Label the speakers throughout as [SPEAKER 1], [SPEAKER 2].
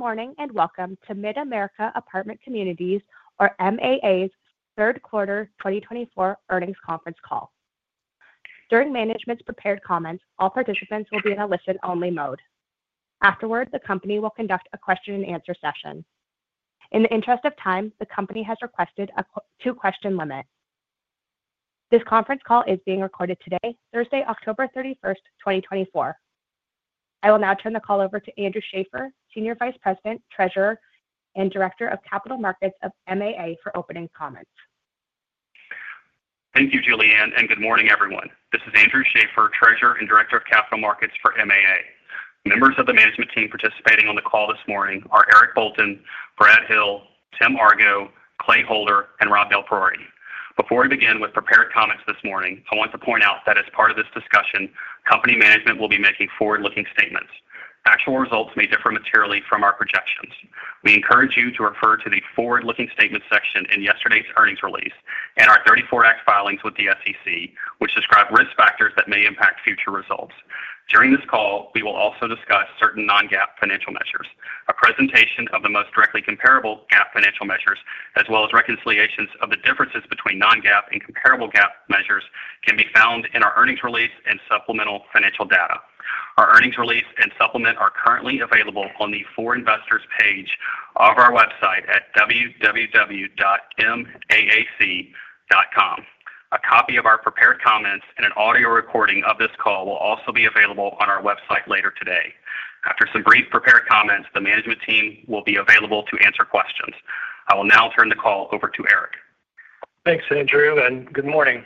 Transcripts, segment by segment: [SPEAKER 1] Good morning and welcome to Mid-America Apartment Communities, or MAA's Third Quarter 2024 Earnings Conference Call. During management's prepared comments, all participants will be in a listen-only mode. Afterward, the company will conduct a question-and-answer session. In the interest of time, the company has requested a two-question limit. This conference call is being recorded today, Thursday, October 31st, 2024. I will now turn the call over to Andrew Schaeffer, Senior Vice President, Treasurer, and Director of Capital Markets of MAA for opening comments.
[SPEAKER 2] Thank you, Julianne, and good morning, everyone. This is Andrew Schaeffer, Treasurer and Director of Capital Markets for MAA. Members of the management team participating on the call this morning are Eric Bolton, Brad Hill, Tim Argo, Clay Holder, and Rob DelPriore. Before we begin with prepared comments this morning, I want to point out that as part of this discussion, company management will be making forward-looking statements. Actual results may differ materially from our projections. We encourage you to refer to the forward-looking statements section in yesterday's earnings release and our 1934 Act filings with the SEC, which describe risk factors that may impact future results. During this call, we will also discuss certain non-GAAP financial measures. A presentation of the most directly comparable GAAP financial measures, as well as reconciliations of the differences between non-GAAP and comparable GAAP measures, can be found in our earnings release and supplemental financial data. Our earnings release and supplement are currently available on the For Investors page of our website at www.maac.com. A copy of our prepared comments and an audio recording of this call will also be available on our website later today. After some brief prepared comments, the management team will be available to answer questions. I will now turn the call over to Eric.
[SPEAKER 3] Thanks, Andrew, and good morning.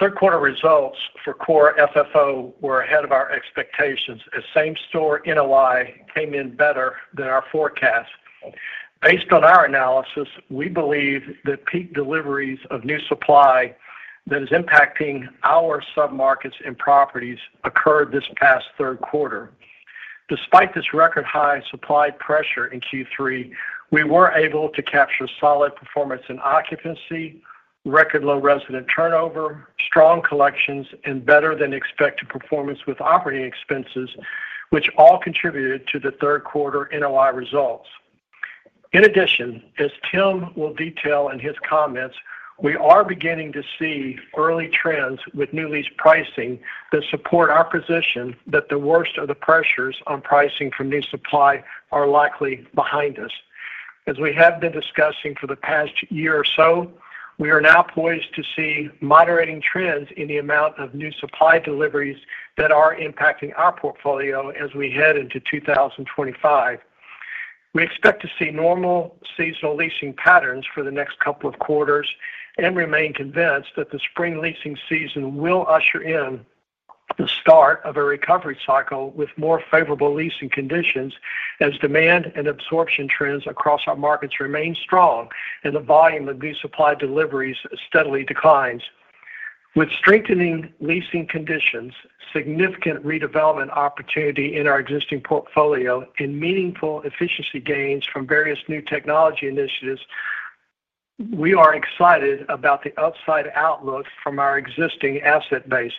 [SPEAKER 3] Third Quarter Results for Core FFO were ahead of our expectations as same-store NOI came in better than our forecast. Based on our analysis, we believe that peak deliveries of new supply that is impacting our submarkets and properties occurred this past third quarter. Despite this record high supply pressure in Q3, we were able to capture solid performance in occupancy, record low resident turnover, strong collections, and better than expected performance with operating expenses, which all contributed to the third quarter NOI results. In addition, as Tim will detail in his comments, we are beginning to see early trends with new lease pricing that support our position that the worst of the pressures on pricing for new supply are likely behind us. As we have been discussing for the past year or so, we are now poised to see moderating trends in the amount of new supply deliveries that are impacting our portfolio as we head into 2025. We expect to see normal seasonal leasing patterns for the next couple of quarters and remain convinced that the spring leasing season will usher in the start of a recovery cycle with more favorable leasing conditions as demand and absorption trends across our markets remain strong and the volume of new supply deliveries steadily declines. With strengthening leasing conditions, significant redevelopment opportunity in our existing portfolio, and meaningful efficiency gains from various new technology initiatives, we are excited about the upside outlook from our existing asset base.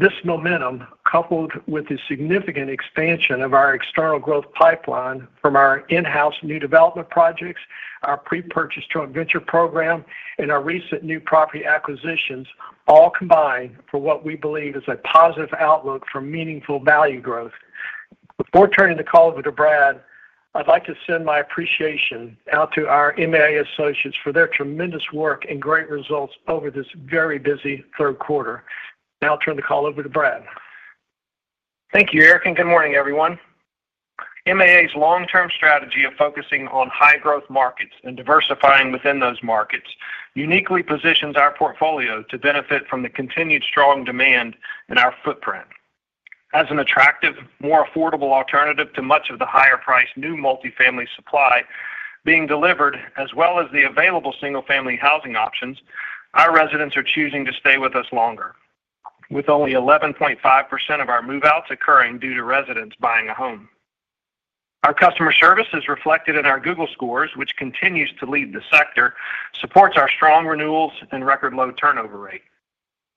[SPEAKER 3] This momentum, coupled with the significant expansion of our external growth pipeline from our in-house new development projects, our pre-purchase joint venture program, and our recent new property acquisitions, all combine for what we believe is a positive outlook for meaningful value growth. Before turning the call over to Brad, I'd like to send my appreciation out to our MAA associates for their tremendous work and great results over this very busy third quarter. Now I'll turn the call over to Brad.
[SPEAKER 4] Thank you, Eric. And good morning, everyone. MAA's long-term strategy of focusing on high-growth markets and diversifying within those markets uniquely positions our portfolio to benefit from the continued strong demand and our footprint. As an attractive, more affordable alternative to much of the higher-priced new multifamily supply being delivered, as well as the available single-family housing options, our residents are choosing to stay with us longer, with only 11.5% of our move-outs occurring due to residents buying a home. Our customer service is reflected in our Google scores, which continues to lead the sector, supports our strong renewals, and record low turnover rate.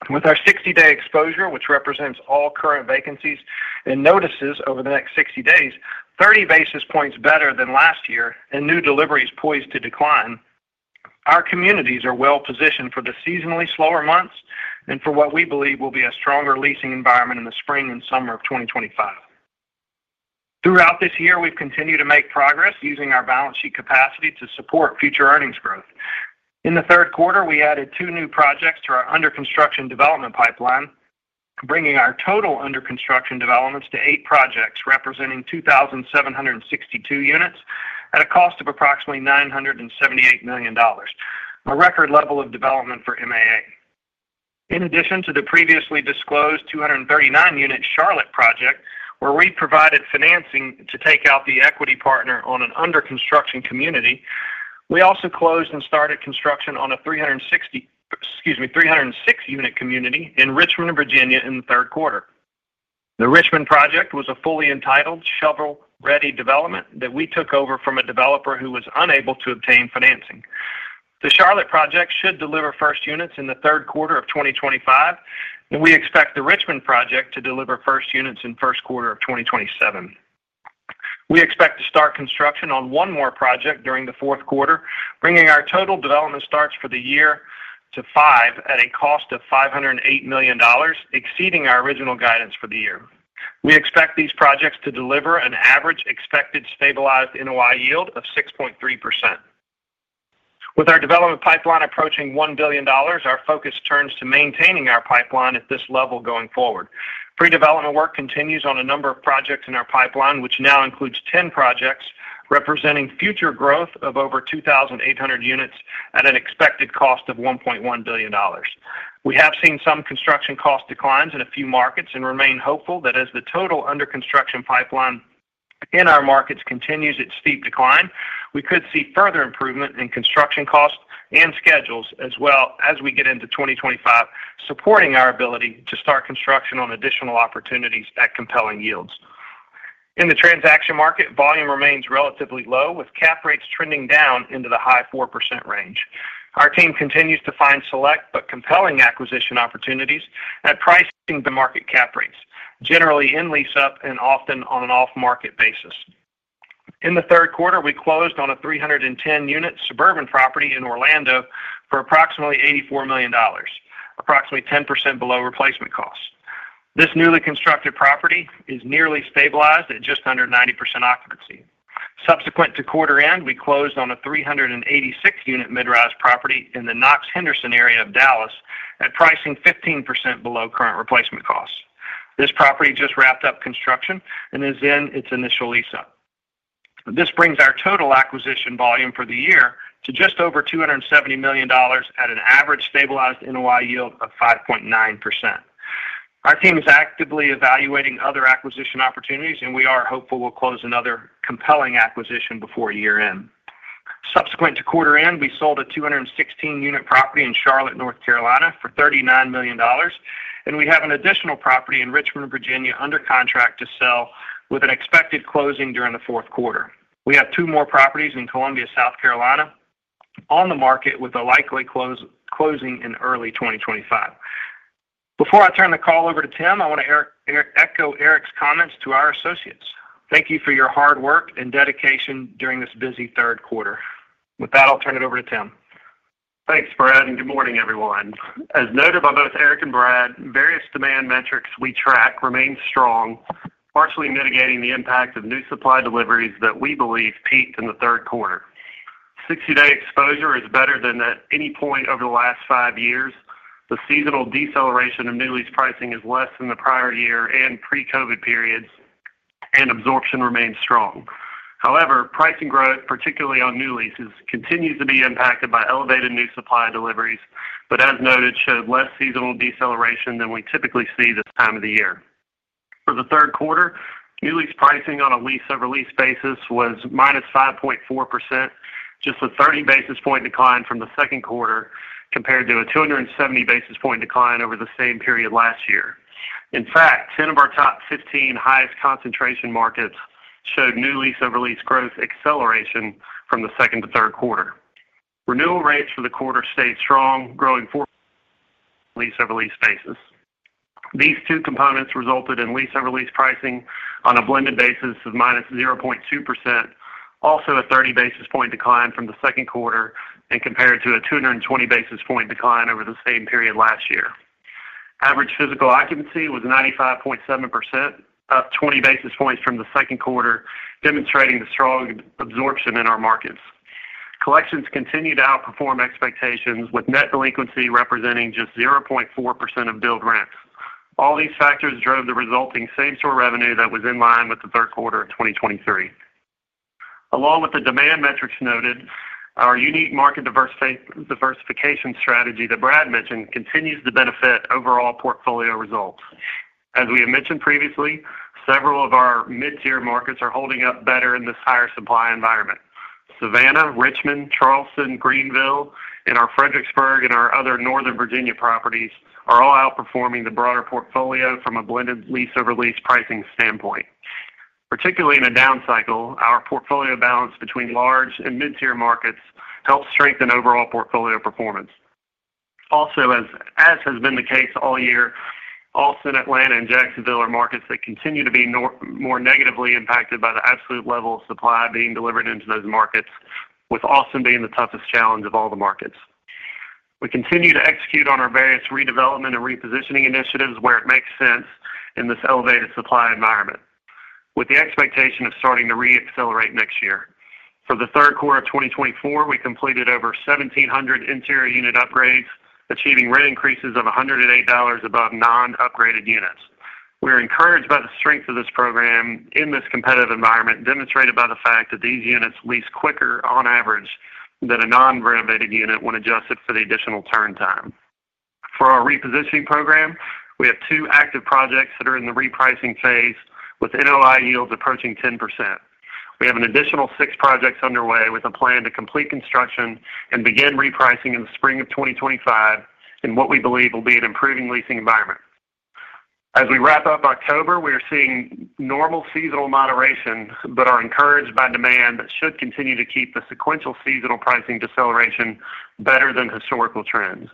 [SPEAKER 4] With our 60-day exposure, which represents all current vacancies and notices over the next 60 days, 30 basis points better than last year, and new deliveries poised to decline, our communities are well-positioned for the seasonally slower months and for what we believe will be a stronger leasing environment in the spring and summer of 2025. Throughout this year, we've continued to make progress using our balance sheet capacity to support future earnings growth. In the third quarter, we added two new projects to our under-construction development pipeline, bringing our total under-construction developments to eight projects representing 2,762 units at a cost of approximately $978 million, a record level of development for MAA. In addition to the previously disclosed 239-unit The Charlotte, project, where we provided financing to take out the equity partner on an under-construction community, we also closed and started construction on a 360-unit community in Richmond, Virginia, in the third quarter. The Richmond project was a fully entitled shovel-ready development that we took over from a developer who was unable to obtain financing. The Charlotte, project should deliver first units in the third quarter of 2025, and we expect the Richmond project to deliver first units in the first quarter of 2027. We expect to start construction on one more project during the fourth quarter, bringing our total development starts for the year to five at a cost of $508 million, exceeding our original guidance for the year. We expect these projects to deliver an average expected stabilized NOI yield of 6.3%. With our development pipeline approaching $1 billion, our focus turns to maintaining our pipeline at this level going forward. Pre-development work continues on a number of projects in our pipeline, which now includes 10 projects representing future growth of over 2,800 units at an expected cost of $1.1 billion. We have seen some construction cost declines in a few markets and remain hopeful that as the total under-construction pipeline in our markets continues its steep decline, we could see further improvement in construction costs and schedules as well as we get into 2025, supporting our ability to start construction on additional opportunities at compelling yields. In the transaction market, volume remains relatively low, with cap rates trending down into the high 4% range. Our team continues to find select but compelling acquisition opportunities at pricing the market cap rates, generally in lease-up and often on an off-market basis. In the third quarter, we closed on a 310-unit suburban property in Orlando for approximately $84 million, approximately 10% below replacement costs. This newly constructed property is nearly stabilized at just under 90% occupancy. Subsequent to quarter-end, we closed on a 386-unit mid-rise property in the Knox-Henderson area of Dallas at pricing 15% below current replacement costs. This property just wrapped up construction and is in its initial lease-up. This brings our total acquisition volume for the year to just over $270 million at an average stabilized NOI yield of 5.9%. Our team is actively evaluating other acquisition opportunities, and we are hopeful we'll close another compelling acquisition before year-end. Subsequent to quarter-end, we sold a 216-unit property in Charlotte, North Carolina, for $39 million, and we have an additional property in Richmond, Virginia, under contract to sell with an expected closing during the fourth quarter. We have two more properties in Columbia, South Carolina, on the market with a likely closing in early 2025. Before I turn the call over to Tim, I want to echo Eric's comments to our associates. Thank you for your hard work and dedication during this busy third quarter. With that, I'll turn it over to Tim.
[SPEAKER 5] Thanks, Brad. Good morning, everyone. As noted by both Eric and Brad, various demand metrics we track remain strong, partially mitigating the impact of new supply deliveries that we believe peaked in the third quarter. 60-day exposure is better than at any point over the last five years. The seasonal deceleration of new lease pricing is less than the prior year and pre-COVID periods, and absorption remains strong. However, pricing growth, particularly on new leases, continues to be impacted by elevated new supply deliveries, but as noted, showed less seasonal deceleration than we typically see this time of the year. For the third quarter, new lease pricing on a lease-over-lease basis was -5.4%, just a 30 basis point decline from the second quarter compared to a 270 basis point decline over the same period last year. In fact, 10 of our top 15 highest concentration markets showed new lease-over-lease growth acceleration from the second to third quarter. Renewal rates for the quarter stayed strong, growing lease-over-lease basis. These two components resulted in lease-over-lease pricing on a blended basis of -0.2%, also a 30 basis point decline from the second quarter and compared to a 220 basis point decline over the same period last year. Average physical occupancy was 95.7%, up 20 basis points from the second quarter, demonstrating the strong absorption in our markets. Collections continued to outperform expectations, with net delinquency representing just 0.4% of billed rents. All these factors drove the resulting same-store revenue that was in line with the third quarter of 2023. Along with the demand metrics noted, our unique market diversification strategy that Brad mentioned continues to benefit overall portfolio results. As we have mentioned previously, several of our mid-tier markets are holding up better in this higher supply environment. Savannah, Richmond, Charleston, Greenville, and our Fredericksburg and our other Northern Virginia properties are all outperforming the broader portfolio from a blended lease-over-lease pricing standpoint. Particularly in a down cycle, our portfolio balance between large and mid-tier markets helps strengthen overall portfolio performance. Also, as has been the case all year, Austin, Atlanta, and Jacksonville are markets that continue to be more negatively impacted by the absolute level of supply being delivered into those markets, with Austin being the toughest challenge of all the markets. We continue to execute on our various redevelopment and repositioning initiatives where it makes sense in this elevated supply environment, with the expectation of starting to re-accelerate next year. For the third quarter of 2024, we completed over 1,700 interior unit upgrades, achieving rent increases of $108 above non-upgraded units. We are encouraged by the strength of this program in this competitive environment, demonstrated by the fact that these units lease quicker on average than a non-renovated unit when adjusted for the additional turn time. For our repositioning program, we have two active projects that are in the repricing phase with NOI yields approaching 10%. We have an additional six projects underway with a plan to complete construction and begin repricing in the spring of 2025 in what we believe will be an improving leasing environment. As we wrap up October, we are seeing normal seasonal moderation, but are encouraged by demand that should continue to keep the sequential seasonal pricing deceleration better than historical trends.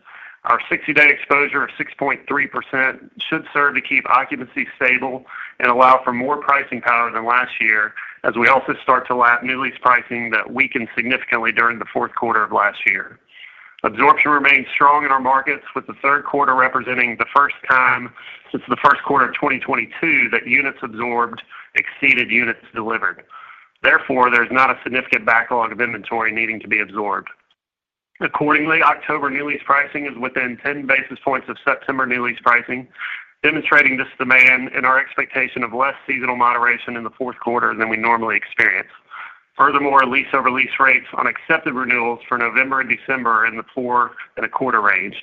[SPEAKER 5] Our 60-day exposure of 6.3% should serve to keep occupancy stable and allow for more pricing power than last year as we also start to lap new lease pricing that weakened significantly during the fourth quarter of last year. Absorption remains strong in our markets, with the third quarter representing the first time since the first quarter of 2022 that units absorbed exceeded units delivered. Therefore, there is not a significant backlog of inventory needing to be absorbed. Accordingly, October new lease pricing is within 10 basis points of September new lease pricing, demonstrating this demand and our expectation of less seasonal moderation in the fourth quarter than we normally experience. Furthermore, lease-over-lease rates on accepted renewals for November and December are in the 4.25% range,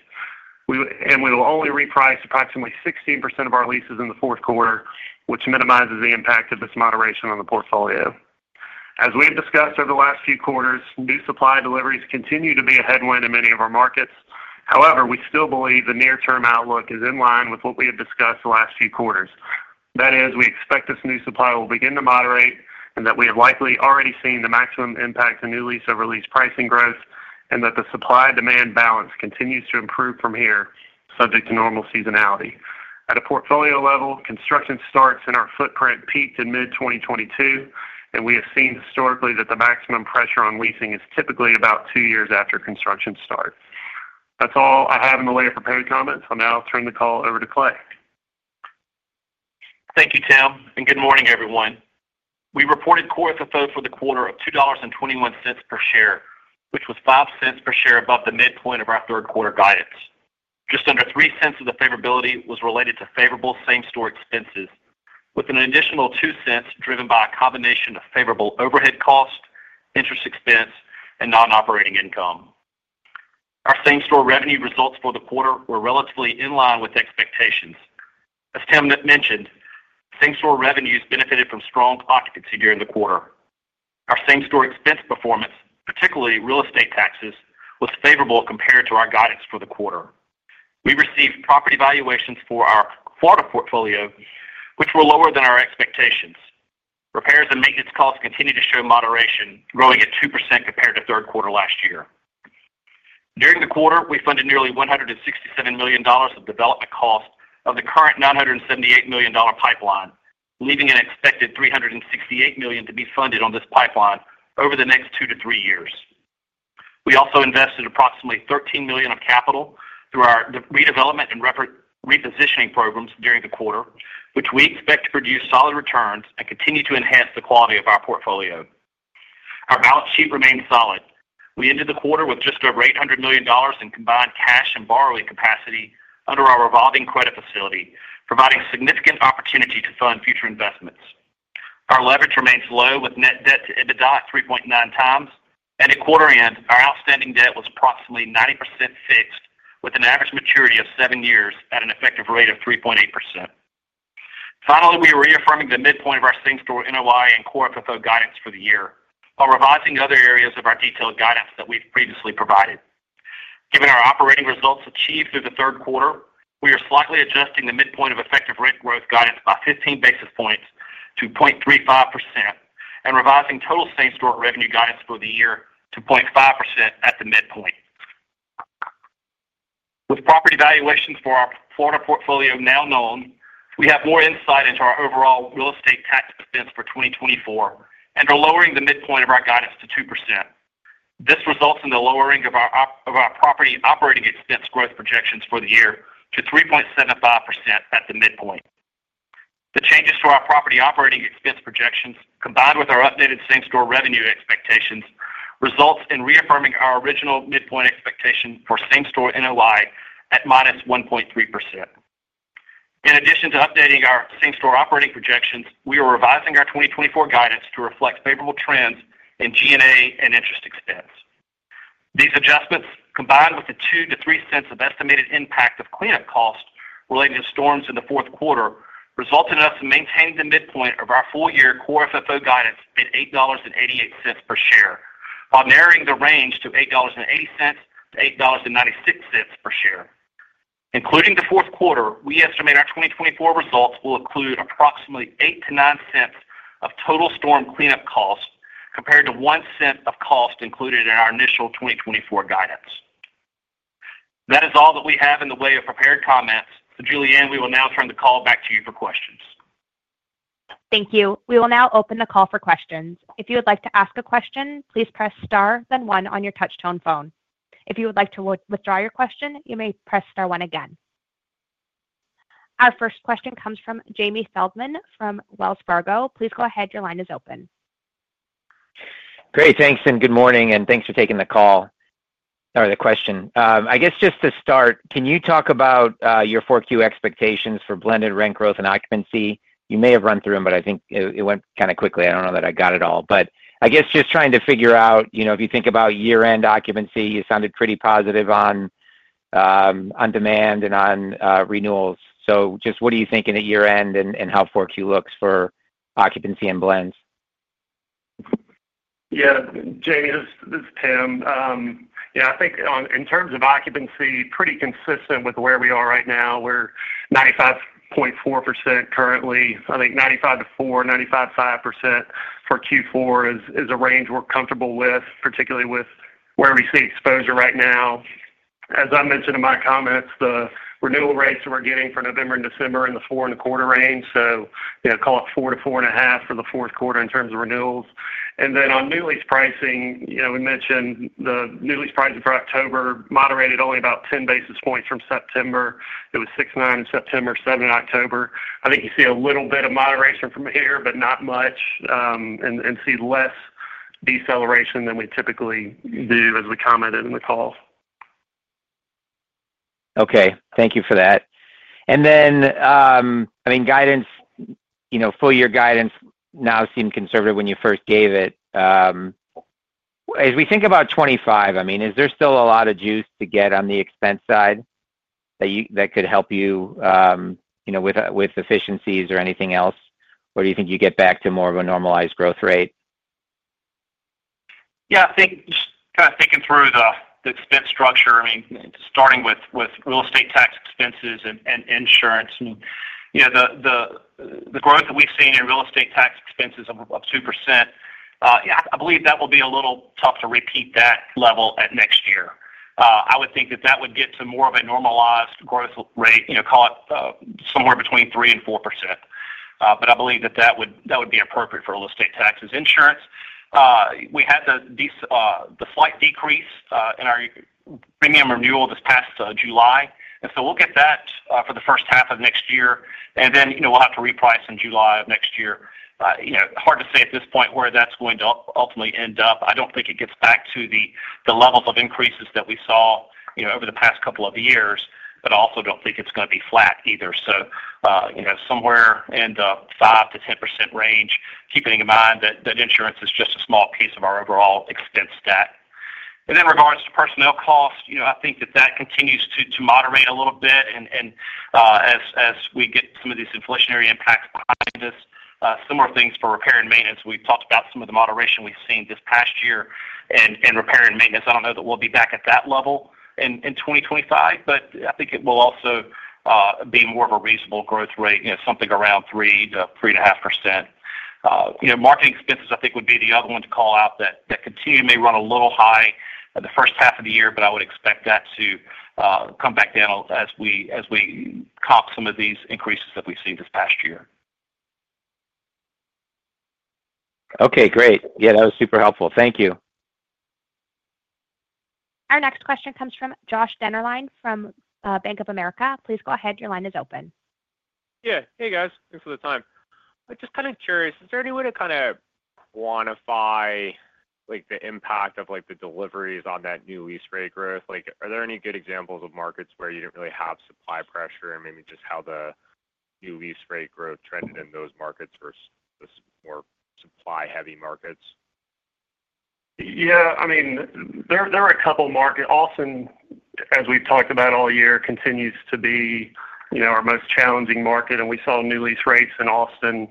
[SPEAKER 5] and we will only reprice approximately 16% of our leases in the fourth quarter, which minimizes the impact of this moderation on the portfolio. As we have discussed over the last few quarters, new supply deliveries continue to be a headwind in many of our markets. However, we still believe the near-term outlook is in line with what we have discussed the last few quarters. That is, we expect this new supply will begin to moderate and that we have likely already seen the maximum impact of new lease-over-lease pricing growth and that the supply-demand balance continues to improve from here, subject to normal seasonality. At a portfolio level, construction starts in our footprint peaked in mid-2022, and we have seen historically that the maximum pressure on leasing is typically about two years after construction starts. That's all I have in the way of prepared comments. I'll now turn the call over to Clay.
[SPEAKER 6] Thank you, Tim, and good morning, everyone. We reported Core FFO for the quarter of $2.21 per share, which was $0.05 per share above the midpoint of our third quarter guidance. Just under $0.03 of the favorability was related to favorable same-store expenses, with an additional $0.02 driven by a combination of favorable overhead cost, interest expense, and non-operating income. Our same-store revenue results for the quarter were relatively in line with expectations. As Tim mentioned, same-store revenues benefited from strong occupancy during the quarter. Our same-store expense performance, particularly real estate taxes, was favorable compared to our guidance for the quarter. We received property valuations for our Florida portfolio, which were lower than our expectations. Repairs and maintenance costs continue to show moderation, growing at 2% compared to third quarter last year. During the quarter, we funded nearly $167 million of development costs of the current $978 million pipeline, leaving an expected $368 million to be funded on this pipeline over the next two years-three years. We also invested approximately $13 million of capital through our redevelopment and repositioning programs during the quarter, which we expect to produce solid returns and continue to enhance the quality of our portfolio. Our balance sheet remained solid. We ended the quarter with just over $800 million in combined cash and borrowing capacity under our revolving credit facility, providing significant opportunity to fund future investments. Our leverage remains low, with net debt to EBITDA at 3.9x. At a quarter-end, our outstanding debt was approximately 90% fixed, with an average maturity of seven years at an effective rate of 3.8%. Finally, we are reaffirming the midpoint of our same-store NOI and core FFO guidance for the year while revising other areas of our detailed guidance that we've previously provided. Given our operating results achieved through the third quarter, we are slightly adjusting the midpoint of effective rent growth guidance by 15 basis points to 0.35% and revising total same-store revenue guidance for the year to 0.5% at the midpoint. With property valuations for our Florida portfolio now known, we have more insight into our overall real estate tax expense for 2024 and are lowering the midpoint of our guidance to 2%. This results in the lowering of our property operating expense growth projections for the year to 3.75% at the midpoint. The changes to our property operating expense projections, combined with our updated same-store revenue expectations, results in reaffirming our original midpoint expectation for same-store NOI at -1.3%. In addition to updating our same-store operating projections, we are revising our 2024 guidance to reflect favorable trends in G&A and interest expense. These adjustments, combined with the $0.02-$0.03 of estimated impact of cleanup costs related to storms in the fourth quarter, result in us maintaining the midpoint of our full-year core FFO guidance at $8.88 per share while narrowing the range to $8.80-$8.96 per share. Including the fourth quarter, we estimate our 2024 results will include approximately $0.08-$0.09 of total storm cleanup costs compared to $0.01 of cost included in our initial 2024 guidance. That is all that we have in the way of prepared comments. Julianne, we will now turn the call back to you for questions.
[SPEAKER 1] Thank you. We will now open the call for questions. If you would like to ask a question, please press star then one on your touch-tone phone. If you would like to withdraw your question, you may press star one again. Our first question comes from Jamie Feldman from Wells Fargo. Please go ahead. Your line is open.
[SPEAKER 7] Great. Thanks, and good morning, and thanks for taking the call or the question. I guess just to start, can you talk about your 4Q expectations for blended rent growth and occupancy? You may have run through them, but I think it went kind of quickly. I don't know that I got it all. But I guess just trying to figure out, if you think about year-end occupancy, you sounded pretty positive on demand and on renewals. So just what are you thinking at year-end and how 4Q looks for occupancy and blends?
[SPEAKER 5] Yeah. Jamie, this is Tim. Yeah, I think in terms of occupancy, pretty consistent with where we are right now. We're 95.4% currently. I think 95.4%-95.5% for Q4 is a range we're comfortable with, particularly with where we see exposure right now. As I mentioned in my comments, the renewal rates that we're getting for November and December are in the 4.25% range. So call it 4%-4.5% for the fourth quarter in terms of renewals. And then on new lease pricing, we mentioned the new lease pricing for October moderated only about 10 basis points from September. It was 6.9% in September, 7% in October. I think you see a little bit of moderation from here, but not much, and see less deceleration than we typically do, as we commented in the call.
[SPEAKER 7] Okay. Thank you for that, and then, I mean, guidance, full-year guidance now seemed conservative when you first gave it. As we think about 2025, I mean, is there still a lot of juice to get on the expense side that could help you with efficiencies or anything else? Or do you think you get back to more of a normalized growth rate?
[SPEAKER 4] Yeah. I think just kind of thinking through the expense structure, I mean, starting with real estate tax expenses and insurance, the growth that we've seen in real estate tax expenses of 2%, I believe that will be a little tough to repeat that level at next year. I would think that that would get to more of a normalized growth rate, call it somewhere between 3%-4%. But I believe that that would be appropriate for real estate taxes. Insurance, we had the slight decrease in our premium renewal this past July. And so we'll get that for the first half of next year. And then we'll have to reprice in July of next year. Hard to say at this point where that's going to ultimately end up. I don't think it gets back to the levels of increases that we saw over the past couple of years, but I also don't think it's going to be flat either. So somewhere in the 5%-10% range, keeping in mind that insurance is just a small piece of our overall expense stat. And in regards to personnel costs, I think that that continues to moderate a little bit. And as we get some of these inflationary impacts behind us, similar things for repair and maintenance. We've talked about some of the moderation we've seen this past year in repair and maintenance. I don't know that we'll be back at that level in 2025, but I think it will also be more of a reasonable growth rate, something around 3%-3.5%. Marketing expenses, I think, would be the other one to call out that may continue to run a little high in the first half of the year, but I would expect that to come back down as we comp some of these increases that we've seen this past year.
[SPEAKER 7] Okay. Great. Yeah, that was super helpful. Thank you.
[SPEAKER 1] Our next question comes from Josh Dennerlein from Bank of America. Please go ahead. Your line is open.
[SPEAKER 8] Yeah. Hey, guys. Thanks for the time. I'm just kind of curious. Is there any way to kind of quantify the impact of the deliveries on that new lease rate growth? Are there any good examples of markets where you didn't really have supply pressure and maybe just how the new lease rate growth trended in those markets versus the more supply-heavy markets?
[SPEAKER 5] Yeah. I mean, there are a couple of markets. Austin, as we've talked about all year, continues to be our most challenging market. And we saw new lease rates in Austin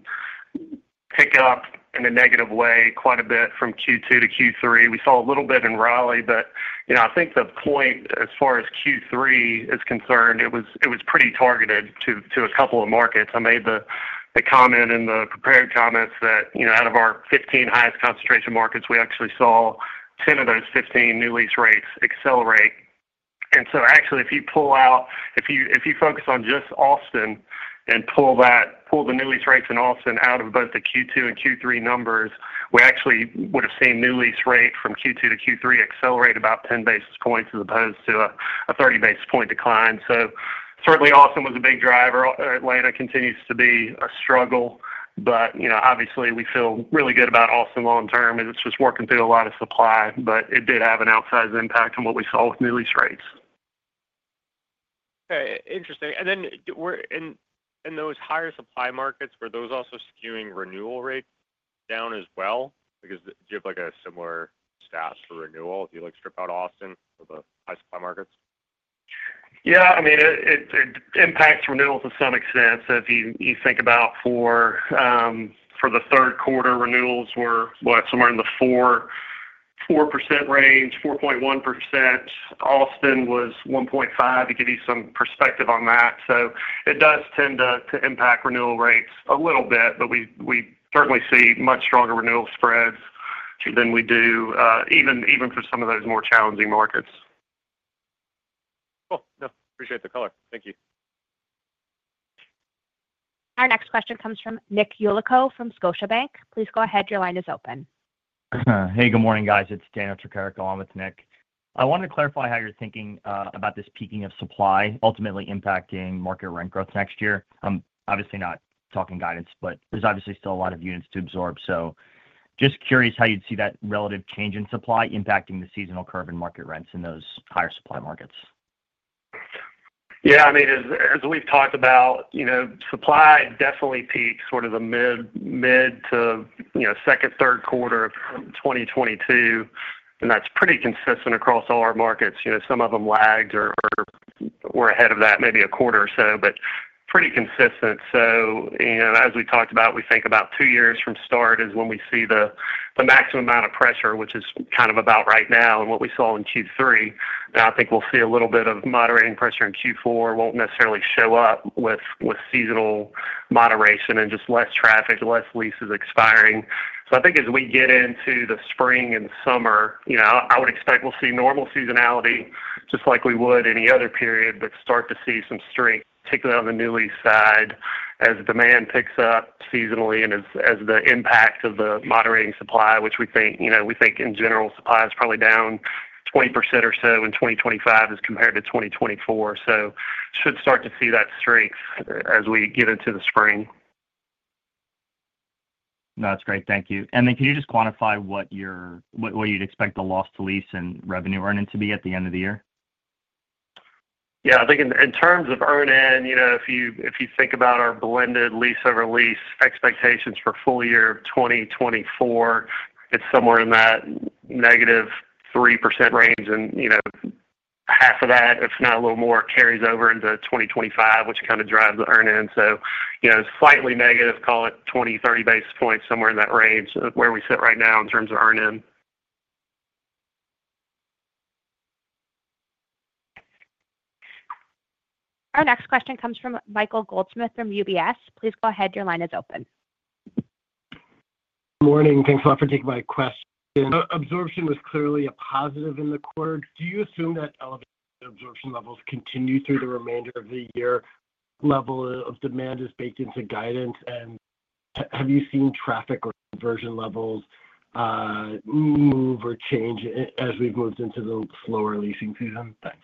[SPEAKER 5] pick up in a negative way quite a bit from Q2-Q3. We saw a little bit in Raleigh, but I think the point as far as Q3 is concerned, it was pretty targeted to a couple of markets. I made the comment in the prepared comments that out of our 15 highest concentration markets, we actually saw 10 of those 15 new lease rates accelerate. So actually, if you pull out, if you focus on just Austin and pull the new lease rates in Austin out of both the Q2 and Q3 numbers, we actually would have seen new lease rate from Q2-Q3 accelerate about 10 basis points as opposed to a 30 basis point decline. So certainly, Austin was a big driver. Atlanta continues to be a struggle, but obviously, we feel really good about Austin long-term as it's just working through a lot of supply, but it did have an outsized impact on what we saw with new lease rates.
[SPEAKER 8] Interesting. And then in those higher supply markets, were those also skewing renewal rates down as well? Do you have a similar stats for renewal if you strip out Austin for the high supply markets?
[SPEAKER 5] Yeah. I mean, it impacts renewals to some extent. So if you think about for the third quarter, renewals were somewhere in the 4% range, 4.1%. Austin was 1.5% to give you some perspective on that. So it does tend to impact renewal rates a little bit, but we certainly see much stronger renewal spreads than we do even for some of those more challenging markets.
[SPEAKER 8] Cool. No, appreciate the color. Thank you.
[SPEAKER 1] Our next question comes from Nick Yulico from Scotiabank. Please go ahead. Your line is open.
[SPEAKER 9] Hey, good morning, guys. It's Daniel Tricarico. Along with Nick, I wanted to clarify how you're thinking about this peaking of supply ultimately impacting market rent growth next year. I'm obviously not talking guidance, but there's obviously still a lot of units to absorb. So just curious how you'd see that relative change in supply impacting the seasonal curve and market rents in those higher supply markets.
[SPEAKER 5] Yeah. I mean, as we've talked about, supply definitely peaked sort of the mid to second, third quarter of 2022, and that's pretty consistent across all our markets. Some of them lagged or were ahead of that maybe a quarter or so, but pretty consistent. So as we talked about, we think about two years from start is when we see the maximum amount of pressure, which is kind of about right now and what we saw in Q3. And I think we'll see a little bit of moderating pressure in Q4, won't necessarily show up with seasonal moderation and just less traffic, less leases expiring. So I think as we get into the spring and summer, I would expect we'll see normal seasonality just like we would any other period, but start to see some strength, particularly on the new lease side as demand picks up seasonally and as the impact of the moderating supply, which we think in general supply is probably down 20% or so in 2025 as compared to 2024. So should start to see that strength as we get into the spring.
[SPEAKER 9] No, that's great. Thank you. And then can you just quantify what you'd expect the loss to lease and revenue earning to be at the end of the year?
[SPEAKER 5] Yeah. I think in terms of earnings, if you think about our blended lease-over-lease expectations for full year 2024, it's somewhere in that negative 3% range, and half of that, if not a little more, carries over into 2025, which kind of drives the earnings, so slightly negative, call it 20 basis points-30 basis points, somewhere in that range where we sit right now in terms of earnings.
[SPEAKER 1] Our next question comes from Michael Goldsmith from UBS. Please go ahead. Your line is open.
[SPEAKER 10] Morning. Thanks a lot for taking my question. Absorption was clearly a positive in the quarter. Do you assume that absorption levels continue through the remainder of the year? Level of demand is baked into guidance, and have you seen traffic or conversion levels move or change as we've moved into the slower leasing season? Thanks.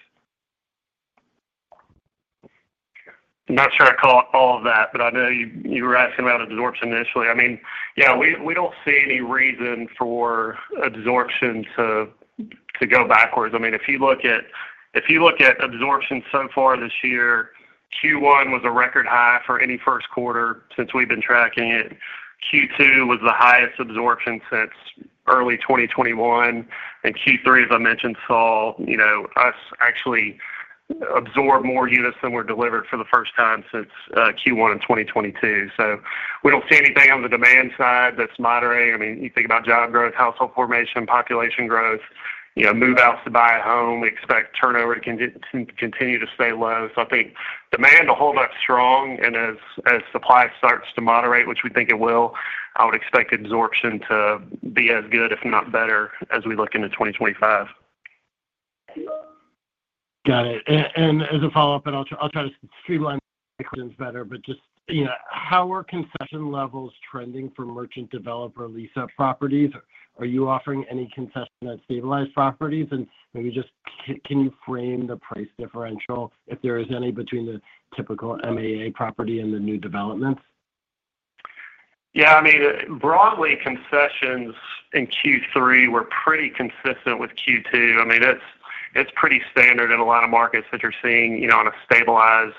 [SPEAKER 5] Not sure I call it all of that, but I know you were asking about absorption initially. I mean, yeah, we don't see any reason for absorption to go backwards. I mean, if you look at absorption so far this year, Q1 was a record high for any first quarter since we've been tracking it. Q2 was the highest absorption since early 2021. And Q3, as I mentioned, saw us actually absorb more units than were delivered for the first time since Q1 in 2022. So we don't see anything on the demand side that's moderating. I mean, you think about job growth, household formation, population growth, move-outs to buy a home. We expect turnover to continue to stay low. So I think demand will hold up strong. As supply starts to moderate, which we think it will, I would expect absorption to be as good, if not better, as we look into 2025.
[SPEAKER 10] Got it. And as a follow-up, and I'll try to streamline questions better, but just how are concession levels trending for merchant developer lease-up properties? Are you offering any concession at stabilized properties? And maybe just can you frame the price differential, if there is any, between the typical MAA property and the new developments?
[SPEAKER 5] Yeah. I mean, broadly, concessions in Q3 were pretty consistent with Q2. I mean, it's pretty standard in a lot of markets that you're seeing on a stabilized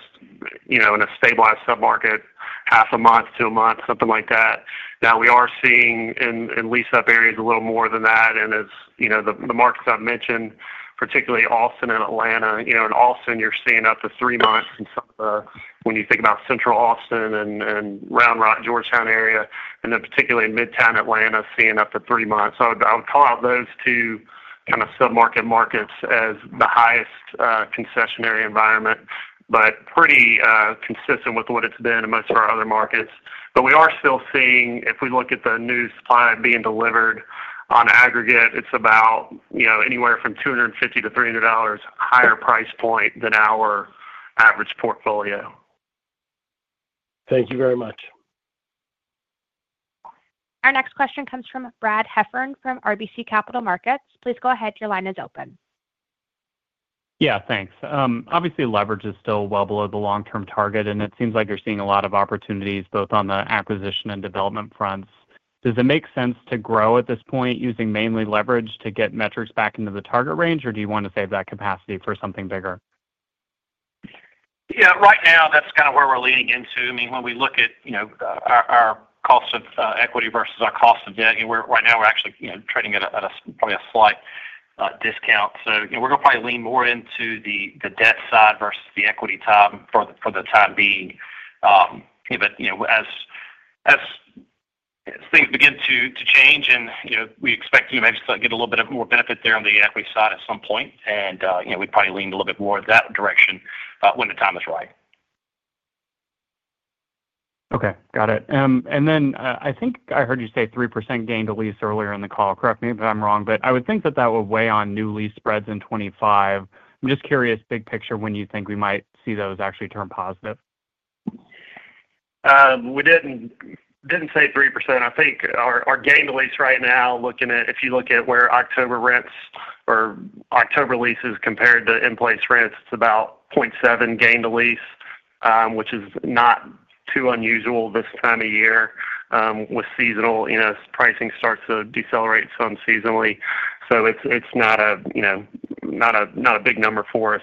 [SPEAKER 5] submarket, half a month to a month, something like that. Now, we are seeing in lease-up areas a little more than that. And as the markets I've mentioned, particularly Austin and Atlanta, in Austin, you're seeing up to three months in some of the when you think about Central Austin and Round Rock, Georgetown area, and then particularly Midtown Atlanta seeing up to three months. So I would call out those two kind of submarket markets as the highest concessionary environment, but pretty consistent with what it's been in most of our other markets. But we are still seeing, if we look at the new supply being delivered on aggregate, it's about anywhere from $250-$300 higher price point than our average portfolio.
[SPEAKER 10] Thank you very much.
[SPEAKER 1] Our next question comes from Brad Heffern from RBC Capital Markets. Please go ahead. Your line is open.
[SPEAKER 11] Yeah. Thanks. Obviously, leverage is still well below the long-term target, and it seems like you're seeing a lot of opportunities both on the acquisition and development fronts. Does it make sense to grow at this point using mainly leverage to get metrics back into the target range, or do you want to save that capacity for something bigger?
[SPEAKER 4] Yeah. Right now, that's kind of where we're leaning into. I mean, when we look at our cost of equity versus our cost of debt, right now, we're actually trading at probably a slight discount. So we're going to probably lean more into the debt side versus the equity side for the time being. But as things begin to change, and we expect to maybe get a little bit of more benefit there on the equity side at some point, and we'd probably lean a little bit more in that direction when the time is right.
[SPEAKER 11] Okay. Got it, and then I think I heard you say 3% gain-to-lease earlier in the call. Correct me if I'm wrong, but I would think that that would weigh on new lease spreads in 2025. I'm just curious, big picture, when you think we might see those actually turn positive?
[SPEAKER 5] We didn't say 3%. I think our gain-to-lease right now, looking at if you look at where October rents or October lease is compared to in-place rents, it's about 0.7% gain-to-lease, which is not too unusual this time of year with seasonal pricing starts to decelerate some seasonally. So it's not a big number for us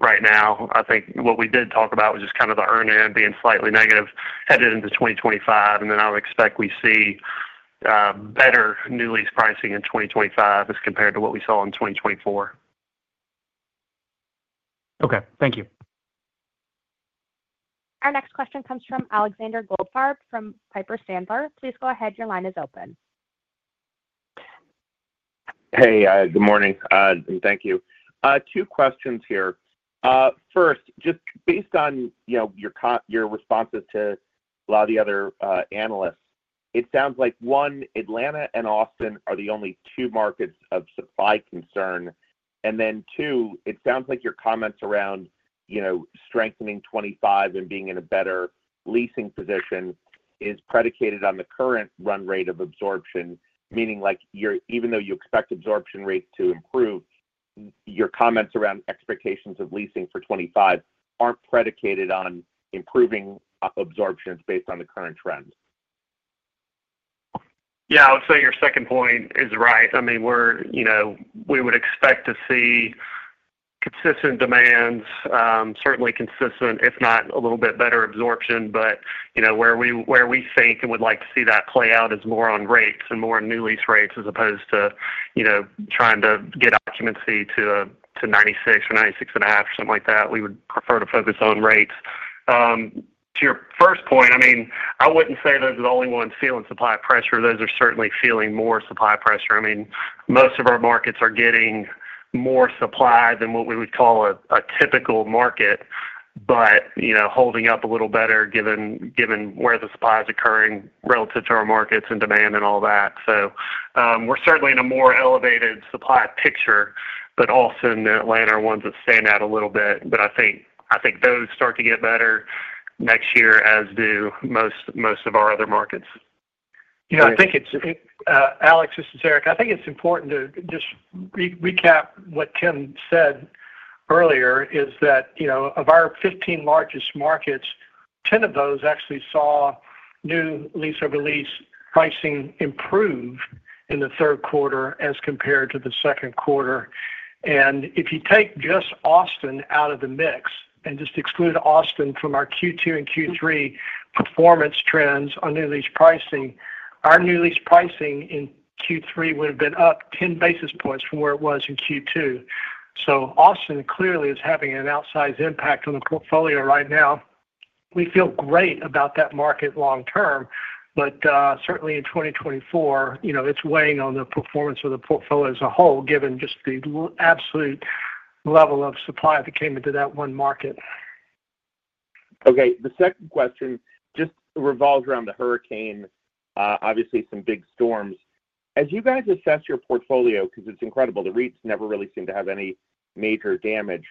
[SPEAKER 5] right now. I think what we did talk about was just kind of the earnings being slightly negative headed into 2025, and then I would expect we see better new lease pricing in 2025 as compared to what we saw in 2024.
[SPEAKER 11] Okay. Thank you.
[SPEAKER 1] Our next question comes from Alexander Goldfarb from Piper Sandler. Please go ahead. Your line is open.
[SPEAKER 12] Hey, good morning. Thank you. Two questions here. First, just based on your responses to a lot of the other analysts, it sounds like, one, Atlanta and Austin are the only two markets of supply concern. And then, two, it sounds like your comments around strengthening 2025 and being in a better leasing position is predicated on the current run rate of absorption, meaning even though you expect absorption rates to improve, your comments around expectations of leasing for 2025 aren't predicated on improving absorptions based on the current trend.
[SPEAKER 5] Yeah. I would say your second point is right. I mean, we would expect to see consistent demands, certainly consistent, if not a little bit better absorption. But where we think and would like to see that play out is more on rates and more on new lease rates as opposed to trying to get occupancy to 96% or 96.5% or something like that. We would prefer to focus on rates. To your first point, I mean, I wouldn't say those are the only ones feeling supply pressure. Those are certainly feeling more supply pressure. I mean, most of our markets are getting more supply than what we would call a typical market, but holding up a little better given where the supply is occurring relative to our markets and demand and all that. So we're certainly in a more elevated supply picture, but Austin and Atlanta are ones that stand out a little bit. But I think those start to get better next year, as do most of our other markets.
[SPEAKER 3] Yeah. I think it's Alex, this is Eric. I think it's important to just recap what Tim said earlier is that of our 15 largest markets, 10 of those actually saw new lease-over-lease pricing improve in the third quarter as compared to the second quarter. And if you take just Austin out of the mix and just exclude Austin from our Q2 and Q3 performance trends on new lease pricing, our new lease pricing in Q3 would have been up 10 basis points from where it was in Q2. So Austin clearly is having an outsized impact on the portfolio right now. We feel great about that market long term, but certainly in 2024, it's weighing on the performance of the portfolio as a whole given just the absolute level of supply that came into that one market.
[SPEAKER 12] Okay. The second question just revolves around the hurricane, obviously some big storms. As you guys assess your portfolio, because it's incredible, the REITs never really seem to have any major damage,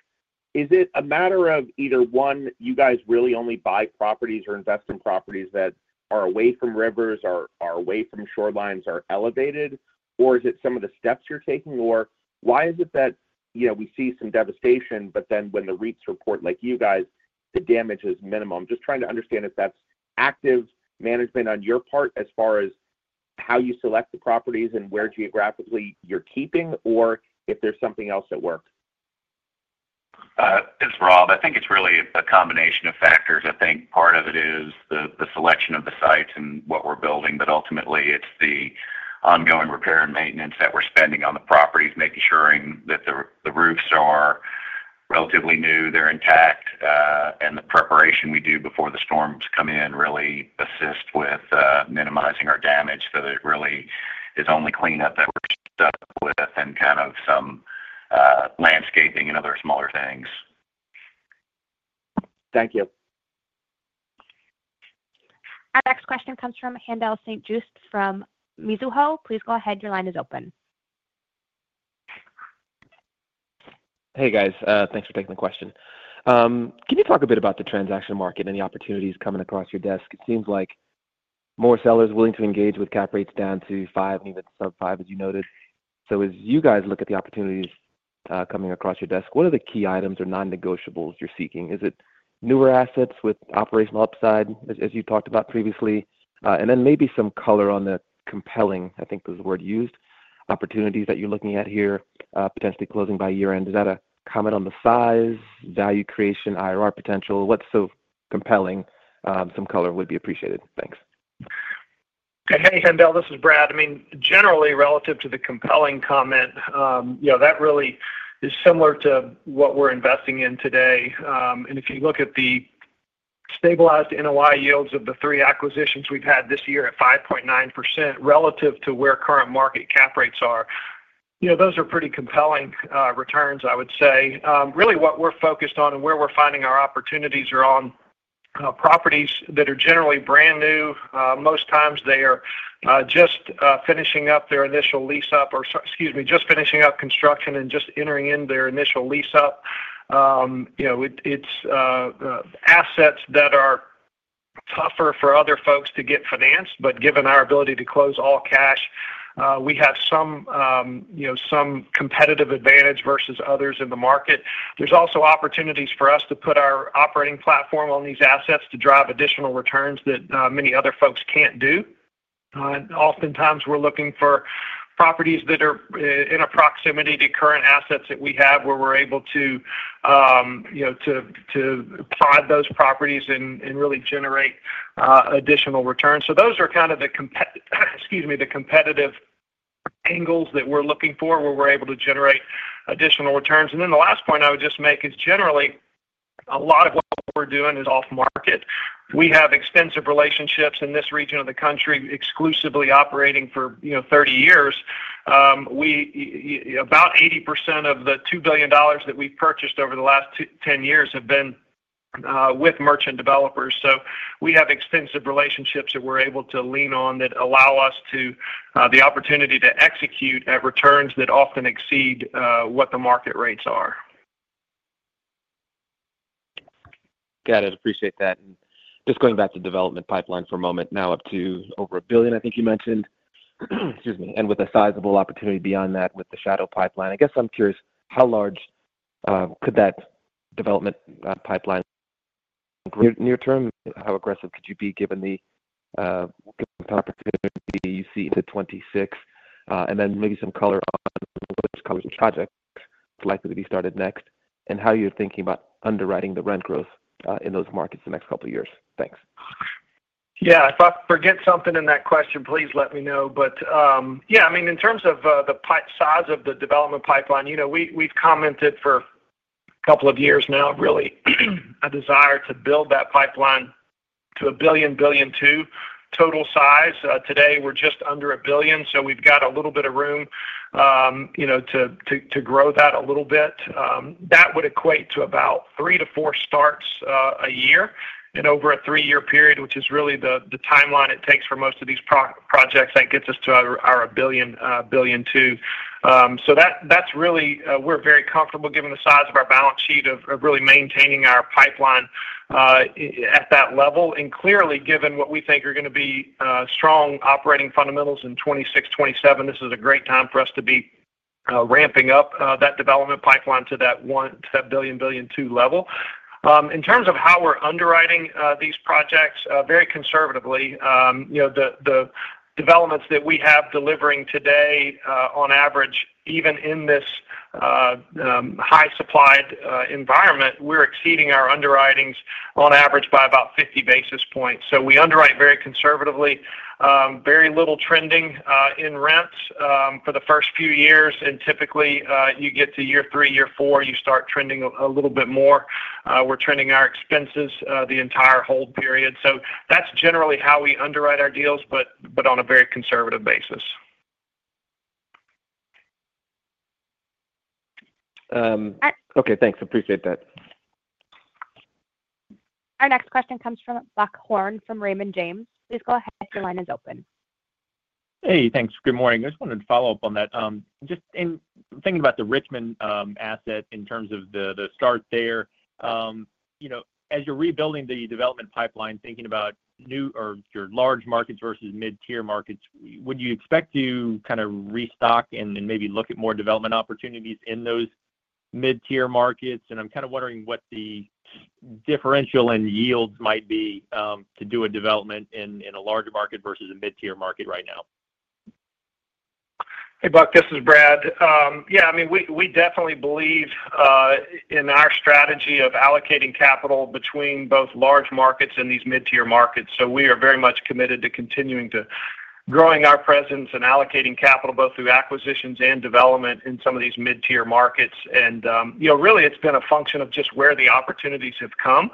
[SPEAKER 12] is it a matter of either, one, you guys really only buy properties or invest in properties that are away from rivers or are away from shorelines or elevated, or is it some of the steps you're taking? Or why is it that we see some devastation, but then when the REITs report like you guys, the damage is minimal? Just trying to understand if that's active management on your part as far as how you select the properties and where geographically you're keeping, or if there's something else at work.
[SPEAKER 13] It's broad. I think it's really a combination of factors. I think part of it is the selection of the sites and what we're building, but ultimately, it's the ongoing repair and maintenance that we're spending on the properties, making sure that the roofs are relatively new, they're intact, and the preparation we do before the storms come in really assists with minimizing our damage. So it really is only cleanup that we're stuck with and kind of some landscaping and other smaller things.
[SPEAKER 12] Thank you.
[SPEAKER 1] Our next question comes from Haendel St. Juste from Mizuho. Please go ahead. Your line is open.
[SPEAKER 14] Hey, guys. Thanks for taking the question. Can you talk a bit about the transaction market and the opportunities coming across your desk? It seems like more sellers willing to engage with cap rates down to five and even sub five, as you noted. So as you guys look at the opportunities coming across your desk, what are the key items or non-negotiables you're seeking? Is it newer assets with operational upside, as you talked about previously? And then maybe some color on the compelling, I think was the word used, opportunities that you're looking at here, potentially closing by year-end? Is that a comment on the size, value creation, IRR potential? What's so compelling? Some color would be appreciated. Thanks.
[SPEAKER 4] Hey, Haendel. This is Brad. I mean, generally, relative to the compelling comment, that really is similar to what we're investing in today. And if you look at the stabilized NOI yields of the three acquisitions we've had this year at 5.9% relative to where current market cap rates are, those are pretty compelling returns, I would say. Really, what we're focused on and where we're finding our opportunities are on properties that are generally brand new. Most times, they are just finishing up their initial lease-up or, excuse me, just finishing up construction and just entering into their initial lease-up. It's assets that are tougher for other folks to get financed, but given our ability to close all cash, we have some competitive advantage versus others in the market. There's also opportunities for us to put our operating platform on these assets to drive additional returns that many other folks can't do. Oftentimes, we're looking for properties that are in a proximity to current assets that we have where we're able to prod those properties and really generate additional returns. So those are kind of the, excuse me, the competitive angles that we're looking for where we're able to generate additional returns. And then the last point I would just make is generally a lot of what we're doing is off-market. We have extensive relationships in this region of the country exclusively operating for 30 years. About 80% of the $2 billion that we've purchased over the last 10 years have been with merchant developers. We have extensive relationships that we're able to lean on that allow us the opportunity to execute at returns that often exceed what the market rates are.
[SPEAKER 14] Got it. Appreciate that. And just going back to development pipeline for a moment, now up to over a billion, I think you mentioned. Excuse me. And with a sizable opportunity beyond that with the shadow pipeline. I guess I'm curious, how large could that development pipeline grow near-term? How aggressive could you be given the opportunity you see to 2026? And then maybe some color on which core projects likely to be started next and how you're thinking about underwriting the rent growth in those markets the next couple of years. Thanks.
[SPEAKER 4] Yeah. If I forget something in that question, please let me know. But yeah, I mean, in terms of the size of the development pipeline, we've commented for a couple of years now, really, a desire to build that pipeline to $1 billion-$1.2 billion total size. Today, we're just under $1 billion, so we've got a little bit of room to grow that a little bit. That would equate to about three to four starts a year in over a three-year period, which is really the timeline it takes for most of these projects that gets us to our $1 billion-$1.2 billion. So that's really we're very comfortable given the size of our balance sheet of really maintaining our pipeline at that level. Clearly, given what we think are going to be strong operating fundamentals in 2026, 2027, this is a great time for us to be ramping up that development pipeline to that $1 billion-$1.2 billion level. In terms of how we're underwriting these projects, very conservatively, the developments that we have delivering today, on average, even in this high-supplied environment, we're exceeding our underwritings on average by about 50 basis points. We underwrite very conservatively, very little trending in rents for the first few years. Typically, you get to year three, year four, you start trending a little bit more. We're trending our expenses the entire hold period. That's generally how we underwrite our deals, but on a very conservative basis.
[SPEAKER 14] Okay. Thanks. Appreciate that.
[SPEAKER 1] Our next question comes from Buck Horne from Raymond James. Please go ahead. Your line is open.
[SPEAKER 15] Hey, thanks. Good morning. I just wanted to follow up on that. Just in thinking about the Richmond asset in terms of the start there, as you're rebuilding the development pipeline, thinking about your large markets versus mid-tier markets, would you expect to kind of restock and maybe look at more development opportunities in those mid-tier markets? And I'm kind of wondering what the differential in yields might be to do a development in a larger market versus a mid-tier market right now?
[SPEAKER 4] Hey, Buck, this is Brad. Yeah. I mean, we definitely believe in our strategy of allocating capital between both large markets and these mid-tier markets. So we are very much committed to continuing to grow our presence and allocating capital both through acquisitions and development in some of these mid-tier markets. And really, it's been a function of just where the opportunities have come.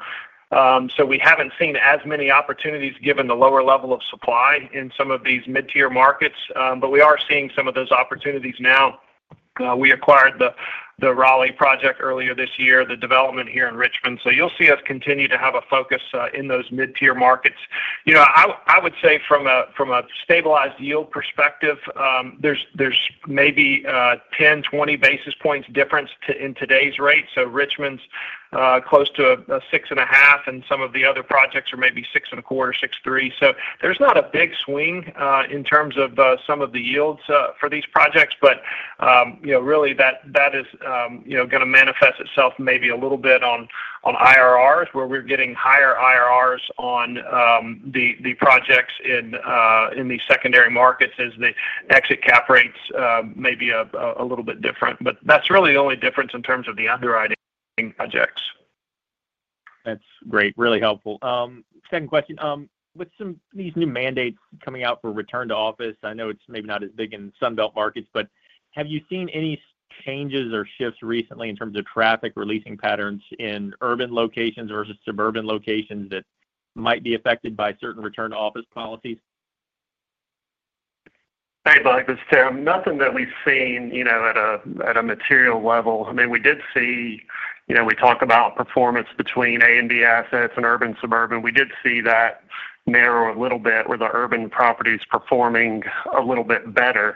[SPEAKER 4] So we haven't seen as many opportunities given the lower level of supply in some of these mid-tier markets, but we are seeing some of those opportunities now. We acquired the Raleigh project earlier this year, the development here in Richmond. So you'll see us continue to have a focus in those mid-tier markets. I would say from a stabilized yield perspective, there's maybe 10 basis points-20 basis points difference in today's rate. Richmond's close to 6.5%, and some of the other projects are maybe 6.25%, 6.3%. There's not a big swing in terms of some of the yields for these projects, but really, that is going to manifest itself maybe a little bit on IRRs where we're getting higher IRRs on the projects in the secondary markets as the exit cap rates may be a little bit different. But that's really the only difference in terms of the underwriting projects.
[SPEAKER 15] That's great. Really helpful. Second question. With these new mandates coming out for return-to-office, I know it's maybe not as big in Sun Belt markets, but have you seen any changes or shifts recently in terms of traffic releasing patterns in urban locations versus suburban locations that might be affected by certain return-to-office policies?
[SPEAKER 5] Hey, Buck. This is Tim. Nothing that we've seen at a material level. I mean, we did see we talk about performance between A and B assets and urban-suburban. We did see that narrow a little bit where the urban property is performing a little bit better.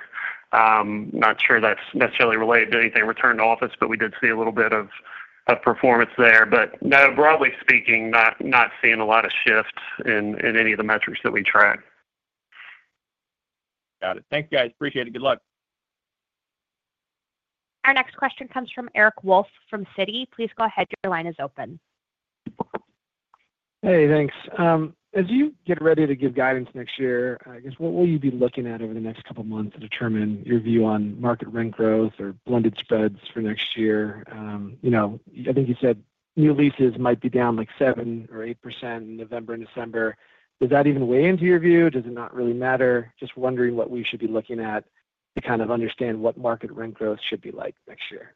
[SPEAKER 5] Not sure that's necessarily related to anything return-to-office, but we did see a little bit of performance there. But no, broadly speaking, not seeing a lot of shift in any of the metrics that we track.
[SPEAKER 15] Got it. Thanks, guys. Appreciate it. Good luck.
[SPEAKER 1] Our next question comes from Eric Wolfe from Citi. Please go ahead. Your line is open.
[SPEAKER 16] Hey, thanks. As you get ready to give guidance next year, I guess what will you be looking at over the next couple of months to determine your view on market rent growth or blended spreads for next year? I think you said new leases might be down like 7% or 8% in November and December. Does that even weigh into your view? Does it not really matter? Just wondering what we should be looking at to kind of understand what market rent growth should be like next year.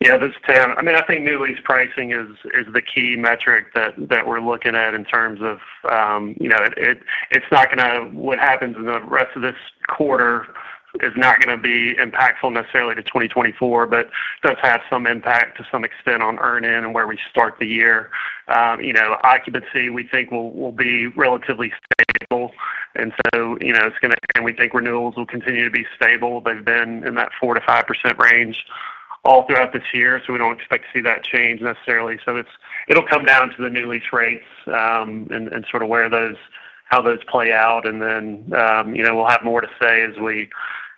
[SPEAKER 5] Yeah. This is Tim. I mean, I think new lease pricing is the key metric that we're looking at in terms of it's not going to what happens in the rest of this quarter is not going to be impactful necessarily to 2024, but does have some impact to some extent on earnings and where we start the year. Occupancy, we think, will be relatively stable, and so it's going to and we think renewals will continue to be stable. They've been in that 4%-5% range all throughout this year, so we don't expect to see that change necessarily. So it'll come down to the new lease rates and sort of how those play out. And then we'll have more to say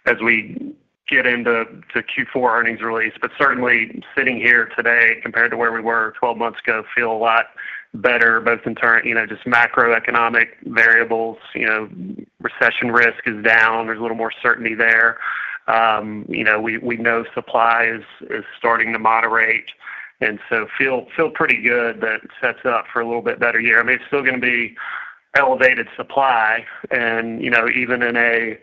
[SPEAKER 5] as we get into Q4 earnings release. But certainly, sitting here today compared to where we were 12 months ago, feel a lot better both in terms of just macroeconomic variables. Recession risk is down. There's a little more certainty there. We know supply is starting to moderate. And so feel pretty good that sets up for a little bit better year. I mean, it's still going to be elevated supply. And even in a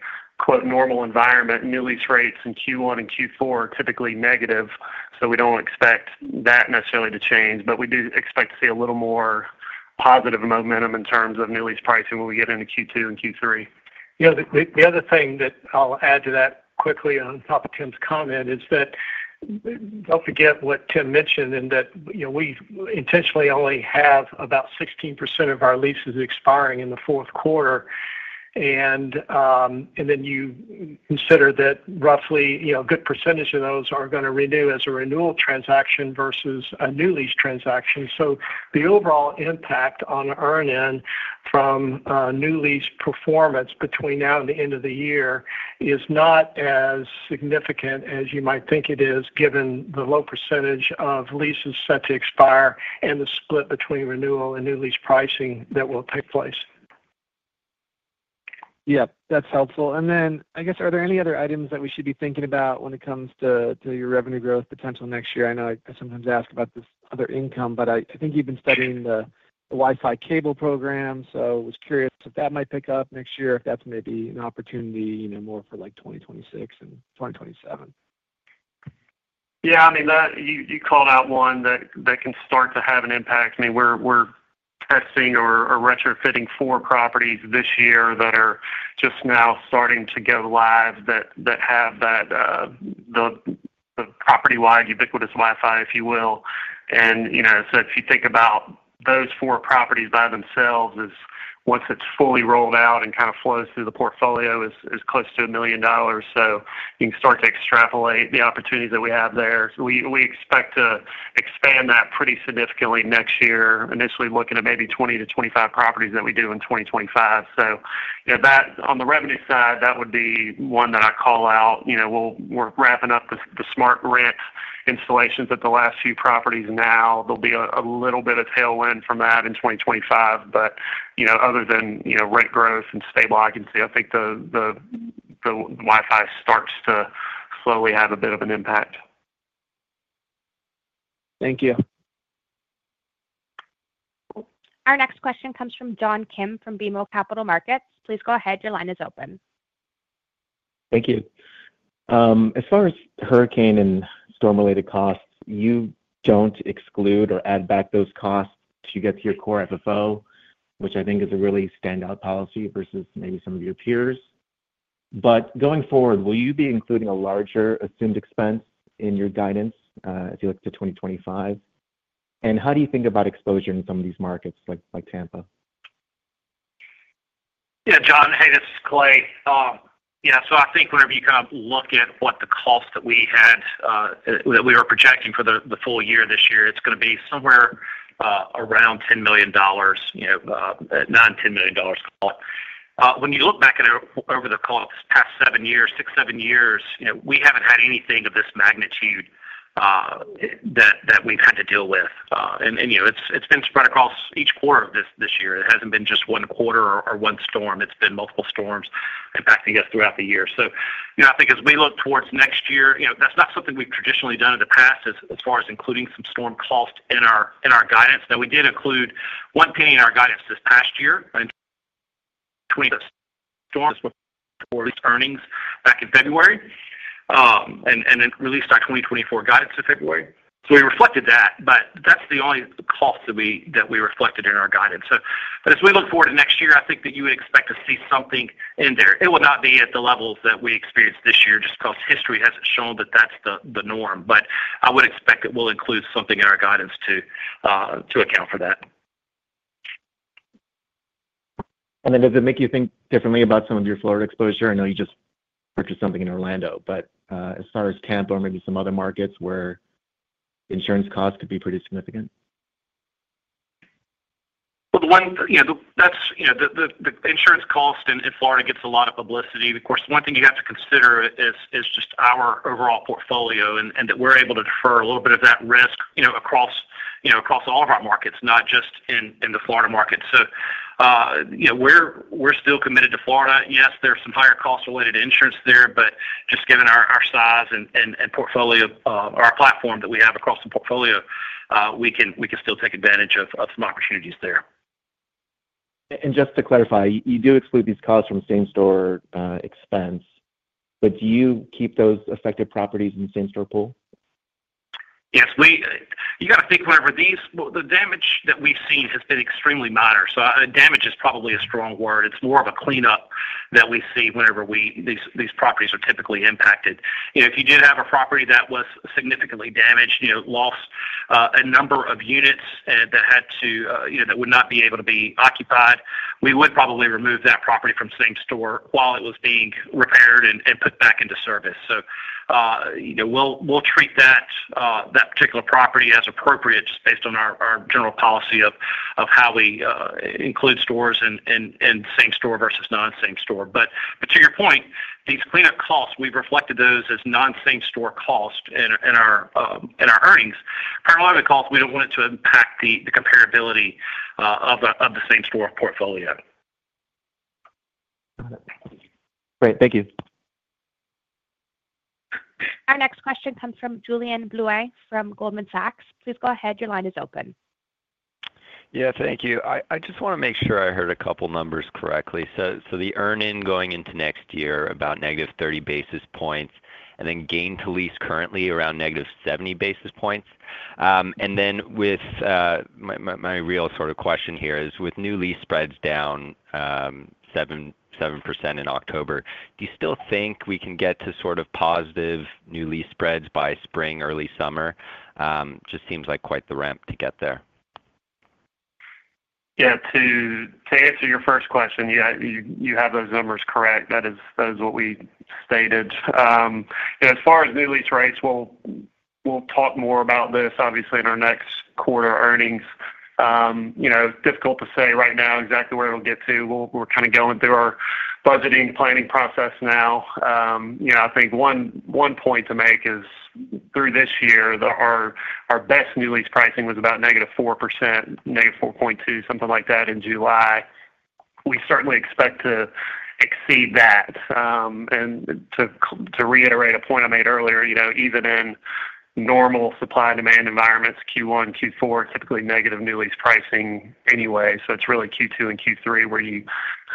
[SPEAKER 5] "normal" environment, new lease rates in Q1 and Q4 are typically negative, so we don't expect that necessarily to change. But we do expect to see a little more positive momentum in terms of new lease pricing when we get into Q2 and Q3.
[SPEAKER 3] Yeah. The other thing that I'll add to that quickly on top of Tim's comment is that don't forget what Tim mentioned in that we intentionally only have about 16% of our leases expiring in the fourth quarter. And then you consider that roughly a good percentage of those are going to renew as a renewal transaction versus a new lease transaction. So the overall impact on earnings from new lease performance between now and the end of the year is not as significant as you might think it is given the low percentage of leases set to expire and the split between renewal and new lease pricing that will take place.
[SPEAKER 16] Yeah. That's helpful. And then I guess, are there any other items that we should be thinking about when it comes to your revenue growth potential next year? I know I sometimes ask about this other income, but I think you've been studying the Wi-Fi cable program, so I was curious if that might pick up next year, if that's maybe an opportunity more for like 2026 and 2027.
[SPEAKER 5] Yeah. I mean, you called out one that can start to have an impact. I mean, we're testing or retrofitting four properties this year that are just now starting to go live that have the property-wide ubiquitous Wi-Fi, if you will. And so if you think about those four properties by themselves, once it's fully rolled out and kind of flows through the portfolio, it's close to $1 million. So you can start to extrapolate the opportunities that we have there. So we expect to expand that pretty significantly next year, initially looking at maybe 20 properties-25 properties that we do in 2025. So on the revenue side, that would be one that I call out. We're wrapping up the SmartRent installations at the last few properties now. There'll be a little bit of tailwind from that in 2025. But other than rent growth and stable occupancy, I think the Wi-Fi starts to slowly have a bit of an impact.
[SPEAKER 16] Thank you.
[SPEAKER 1] Our next question comes from John Kim from BMO Capital Markets. Please go ahead. Your line is open.
[SPEAKER 17] Thank you. As far as hurricane and storm-related costs, you don't exclude or add back those costs to get to your Core FFO, which I think is a really standout policy versus maybe some of your peers. But going forward, will you be including a larger assumed expense in your guidance as you look to 2025? And how do you think about exposure in some of these markets like Tampa?
[SPEAKER 6] Yeah. John, hey, this is Clay. Yeah. So I think whenever you kind of look at what the cost that we had that we were projecting for the full year this year, it's going to be somewhere around $10 million, $9 million-$10 million cost. When you look back at over the past seven years, six years, seven years, we haven't had anything of this magnitude that we've had to deal with. And it's been spread across each quarter of this year. It hasn't been just one quarter or one storm. It's been multiple storms impacting us throughout the year. So I think as we look towards next year, that's not something we've traditionally done in the past as far as including some storm cost in our guidance. Now, we did include $0.01 in our guidance this past year in Q4 2023 earnings back in February and then released our 2024 guidance in February. So we reflected that, but that's the only cost that we reflected in our guidance. But as we look forward to next year, I think that you would expect to see something in there. It will not be at the levels that we experienced this year just because history hasn't shown that that's the norm. But I would expect that we'll include something in our guidance to account for that.
[SPEAKER 17] Does it make you think differently about some of your Florida exposure? I know you just purchased something in Orlando. As far as Tampa or maybe some other markets where insurance costs could be pretty significant?
[SPEAKER 6] The one that's the insurance cost in Florida gets a lot of publicity. Of course, one thing you have to consider is just our overall portfolio and that we're able to defer a little bit of that risk across all of our markets, not just in the Florida market. We're still committed to Florida. Yes, there's some higher cost-related insurance there, but just given our size and portfolio or our platform that we have across the portfolio, we can still take advantage of some opportunities there.
[SPEAKER 17] Just to clarify, you do exclude these costs from same-store expense, but do you keep those affected properties in the same-store pool?
[SPEAKER 6] Yes. You got to think whenever the damage that we've seen has been extremely minor. So damage is probably a strong word. It's more of a cleanup that we see whenever these properties are typically impacted. If you did have a property that was significantly damaged, lost a number of units that would not be able to be occupied, we would probably remove that property from same-store while it was being repaired and put back into service. So we'll treat that particular property as appropriate just based on our general policy of how we include stores in same-store versus non-same-store. But to your point, these cleanup costs, we've reflected those as non-same-store cost in our earnings. Primarily, the cost, we don't want it to impact the comparability of the same-store portfolio.
[SPEAKER 17] Got it. Great. Thank you.
[SPEAKER 1] Our next question comes from Julien Blouin from Goldman Sachs. Please go ahead. Your line is open.
[SPEAKER 18] Yeah. Thank you. I just want to make sure I heard a couple of numbers correctly, so the earnings going into next year, about -30 basis points, and then gain-to-lease currently around -70 basis points and then with my real sort of question here is with new lease spreads down 7% in October, do you still think we can get to sort of positive new lease spreads by spring, early summer? Just seems like quite the ramp to get there.
[SPEAKER 5] Yeah. To answer your first question, you have those numbers correct. That is what we stated. As far as new lease rates, we'll talk more about this, obviously, in our next quarter earnings. Difficult to say right now exactly where it'll get to. We're kind of going through our budgeting planning process now. I think one point to make is through this year, our best new lease pricing was about -4%, -4.2%, something like that in July. We certainly expect to exceed that. And to reiterate a point I made earlier, even in normal supply-demand environments, Q1, Q4, typically negative new lease pricing anyway. So it's really Q2 and Q3 where you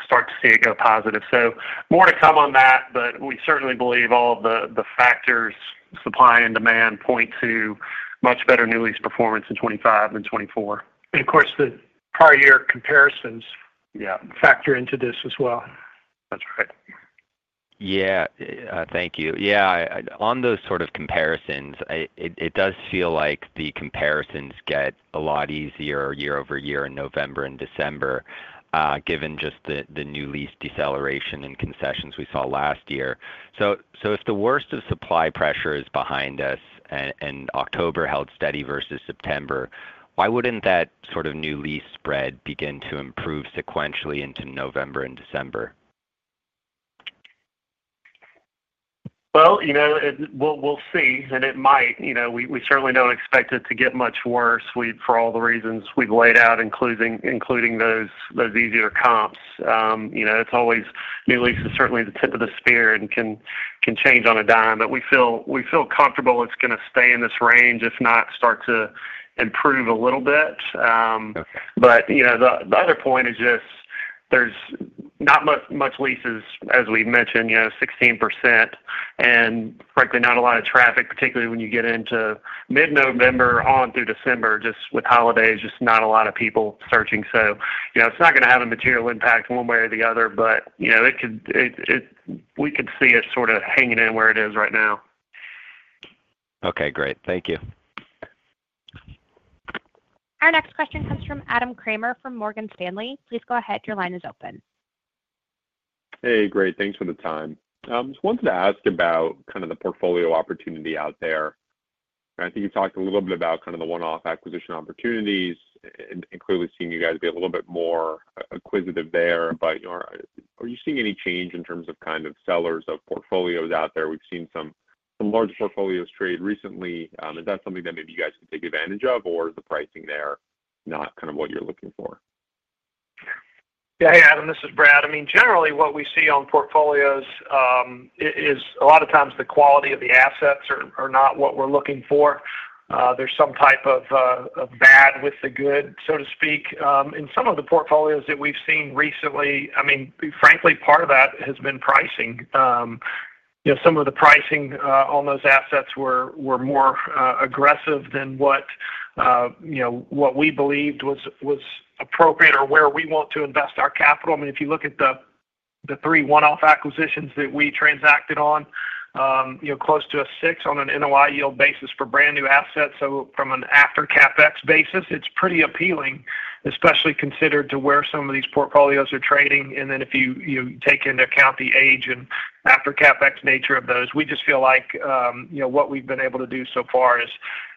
[SPEAKER 5] start to see it go positive. So more to come on that, but we certainly believe all of the factors, supply and demand, point to much better new lease performance in 2025 than 2024.
[SPEAKER 3] Of course, the prior year comparisons factor into this as well.
[SPEAKER 18] That's right. Yeah. Thank you. Yeah. On those sort of comparisons, it does feel like the comparisons get a lot easier year-over-year in November and December, given just the new lease deceleration and concessions we saw last year. So if the worst of supply pressure is behind us and October held steady versus September, why wouldn't that sort of new lease spread begin to improve sequentially into November and December?
[SPEAKER 5] We'll see. It might. We certainly don't expect it to get much worse for all the reasons we've laid out, including those easier comps. It's always new lease is certainly the tip of the spear and can change on a dime, but we feel comfortable it's going to stay in this range, if not start to improve a little bit, but the other point is just there's not much leases, as we mentioned, 16%, and frankly, not a lot of traffic, particularly when you get into mid-November on through December, just with holidays, just not a lot of people searching, so it's not going to have a material impact one way or the other, but we could see it sort of hanging in where it is right now.
[SPEAKER 18] Okay. Great. Thank you.
[SPEAKER 1] Our next question comes from Adam Kramer from Morgan Stanley. Please go ahead. Your line is open.
[SPEAKER 19] Hey, great. Thanks for the time. Just wanted to ask about kind of the portfolio opportunity out there. I think you talked a little bit about kind of the one-off acquisition opportunities and clearly seeing you guys be a little bit more acquisitive there. But are you seeing any change in terms of kind of sellers of portfolios out there? We've seen some large portfolios trade recently. Is that something that maybe you guys could take advantage of, or is the pricing there not kind of what you're looking for?
[SPEAKER 4] Yeah. Hey, Adam. This is Brad. I mean, generally, what we see on portfolios is a lot of times the quality of the assets are not what we're looking for. There's some type of bad with the good, so to speak. In some of the portfolios that we've seen recently, I mean, frankly, part of that has been pricing. Some of the pricing on those assets were more aggressive than what we believed was appropriate or where we want to invest our capital. I mean, if you look at the three one-off acquisitions that we transacted on, close to 6% on an NOI yield basis for brand new assets. So from an after CapEx basis, it's pretty appealing, especially considered to where some of these portfolios are trading. And then if you take into account the age and after CapEx nature of those, we just feel like what we've been able to do so far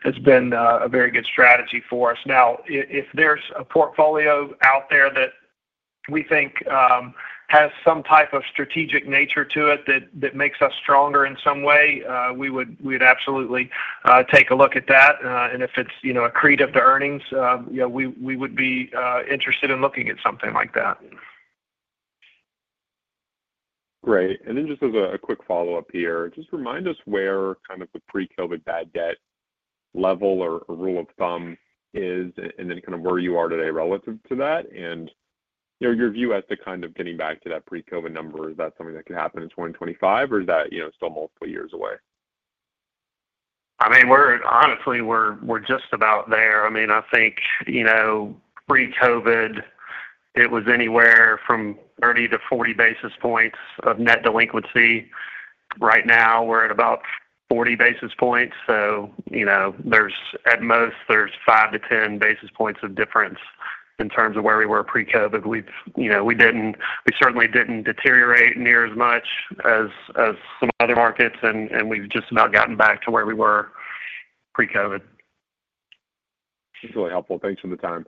[SPEAKER 4] has been a very good strategy for us. Now, if there's a portfolio out there that we think has some type of strategic nature to it that makes us stronger in some way, we would absolutely take a look at that. And if it's accretive to earnings, we would be interested in looking at something like that.
[SPEAKER 19] Great. And then just as a quick follow-up here, just remind us where kind of the pre-COVID bad debt level or rule of thumb is and then kind of where you are today relative to that. And your view as to kind of getting back to that pre-COVID number, is that something that could happen in 2025, or is that still multiple years away?
[SPEAKER 5] I mean, honestly, we're just about there. I mean, I think pre-COVID, it was anywhere from 30 basis points-40 basis points of net delinquency. Right now, we're at about 40 basis points. So at most, there's 5 basis points-10 basis points of difference in terms of where we were pre-COVID. We certainly didn't deteriorate near as much as some other markets, and we've just about gotten back to where we were pre-COVID.
[SPEAKER 19] This is really helpful. Thanks for the time.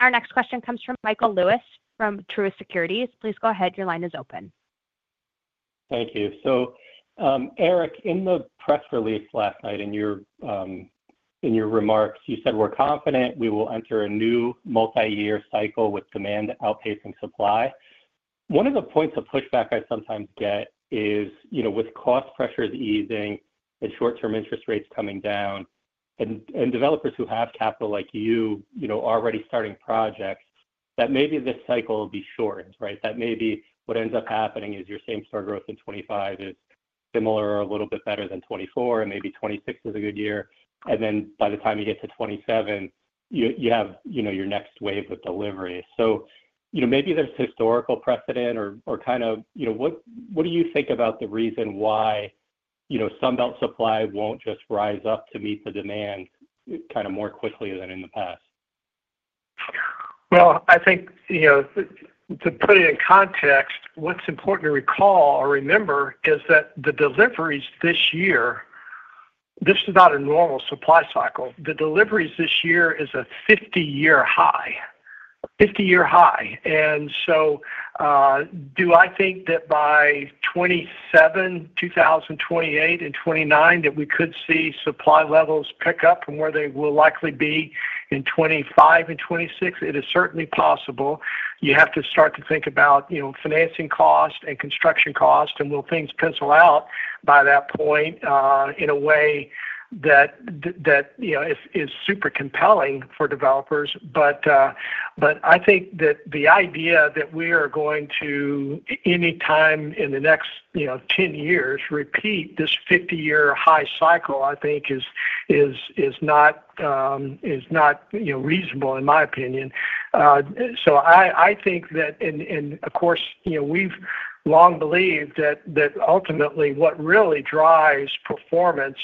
[SPEAKER 1] Our next question comes from Michael Lewis from Truist Securities. Please go ahead. Your line is open.
[SPEAKER 20] Thank you. So Eric, in the press release last night and your remarks, you said, "We're confident we will enter a new multi-year cycle with demand outpacing supply." One of the points of pushback I sometimes get is with cost pressures easing and short-term interest rates coming down and developers who have capital like you already starting projects, that maybe this cycle will be short, right? That maybe what ends up happening is your same-store growth in 2025 is similar or a little bit better than 2024, and maybe 2026 is a good year. And then by the time you get to 2027, you have your next wave of delivery. So maybe there's historical precedent or kind of what do you think about the reason why Sun Belt supply won't just rise up to meet the demand kind of more quickly than in the past?
[SPEAKER 3] I think to put it in context, what's important to recall or remember is that the deliveries this year. This is not a normal supply cycle. The deliveries this year is a 50-year high. Do I think that by 2027, 2028, and 2029 that we could see supply levels pick up from where they will likely be in 2025 and 2026? It is certainly possible. You have to start to think about financing cost and construction cost, and will things pencil out by that point in a way that is super compelling for developers? I think that the idea that we are going to, anytime in the next 10 years, repeat this 50-year high cycle, I think, is not reasonable, in my opinion. So I think that, and of course, we've long believed that ultimately what really drives performance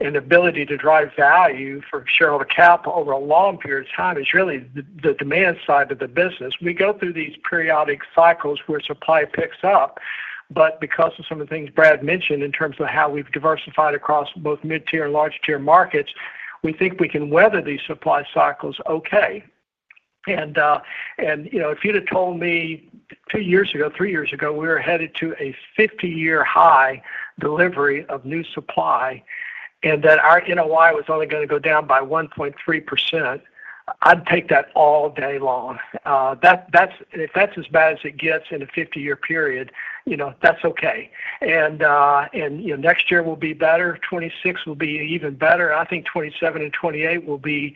[SPEAKER 3] and ability to drive value for shareholder capital over a long period of time is really the demand side of the business. We go through these periodic cycles where supply picks up. But because of some of the things Brad mentioned in terms of how we've diversified across both mid-tier and large-tier markets, we think we can weather these supply cycles okay. And if you'd have told me two years ago, three years ago, we were headed to a 50-year high delivery of new supply and that our NOI was only going to go down by 1.3%, I'd take that all day long. If that's as bad as it gets in a 50-year period, that's okay. And next year will be better. 2026 will be even better. I think 2027 and 2028 will be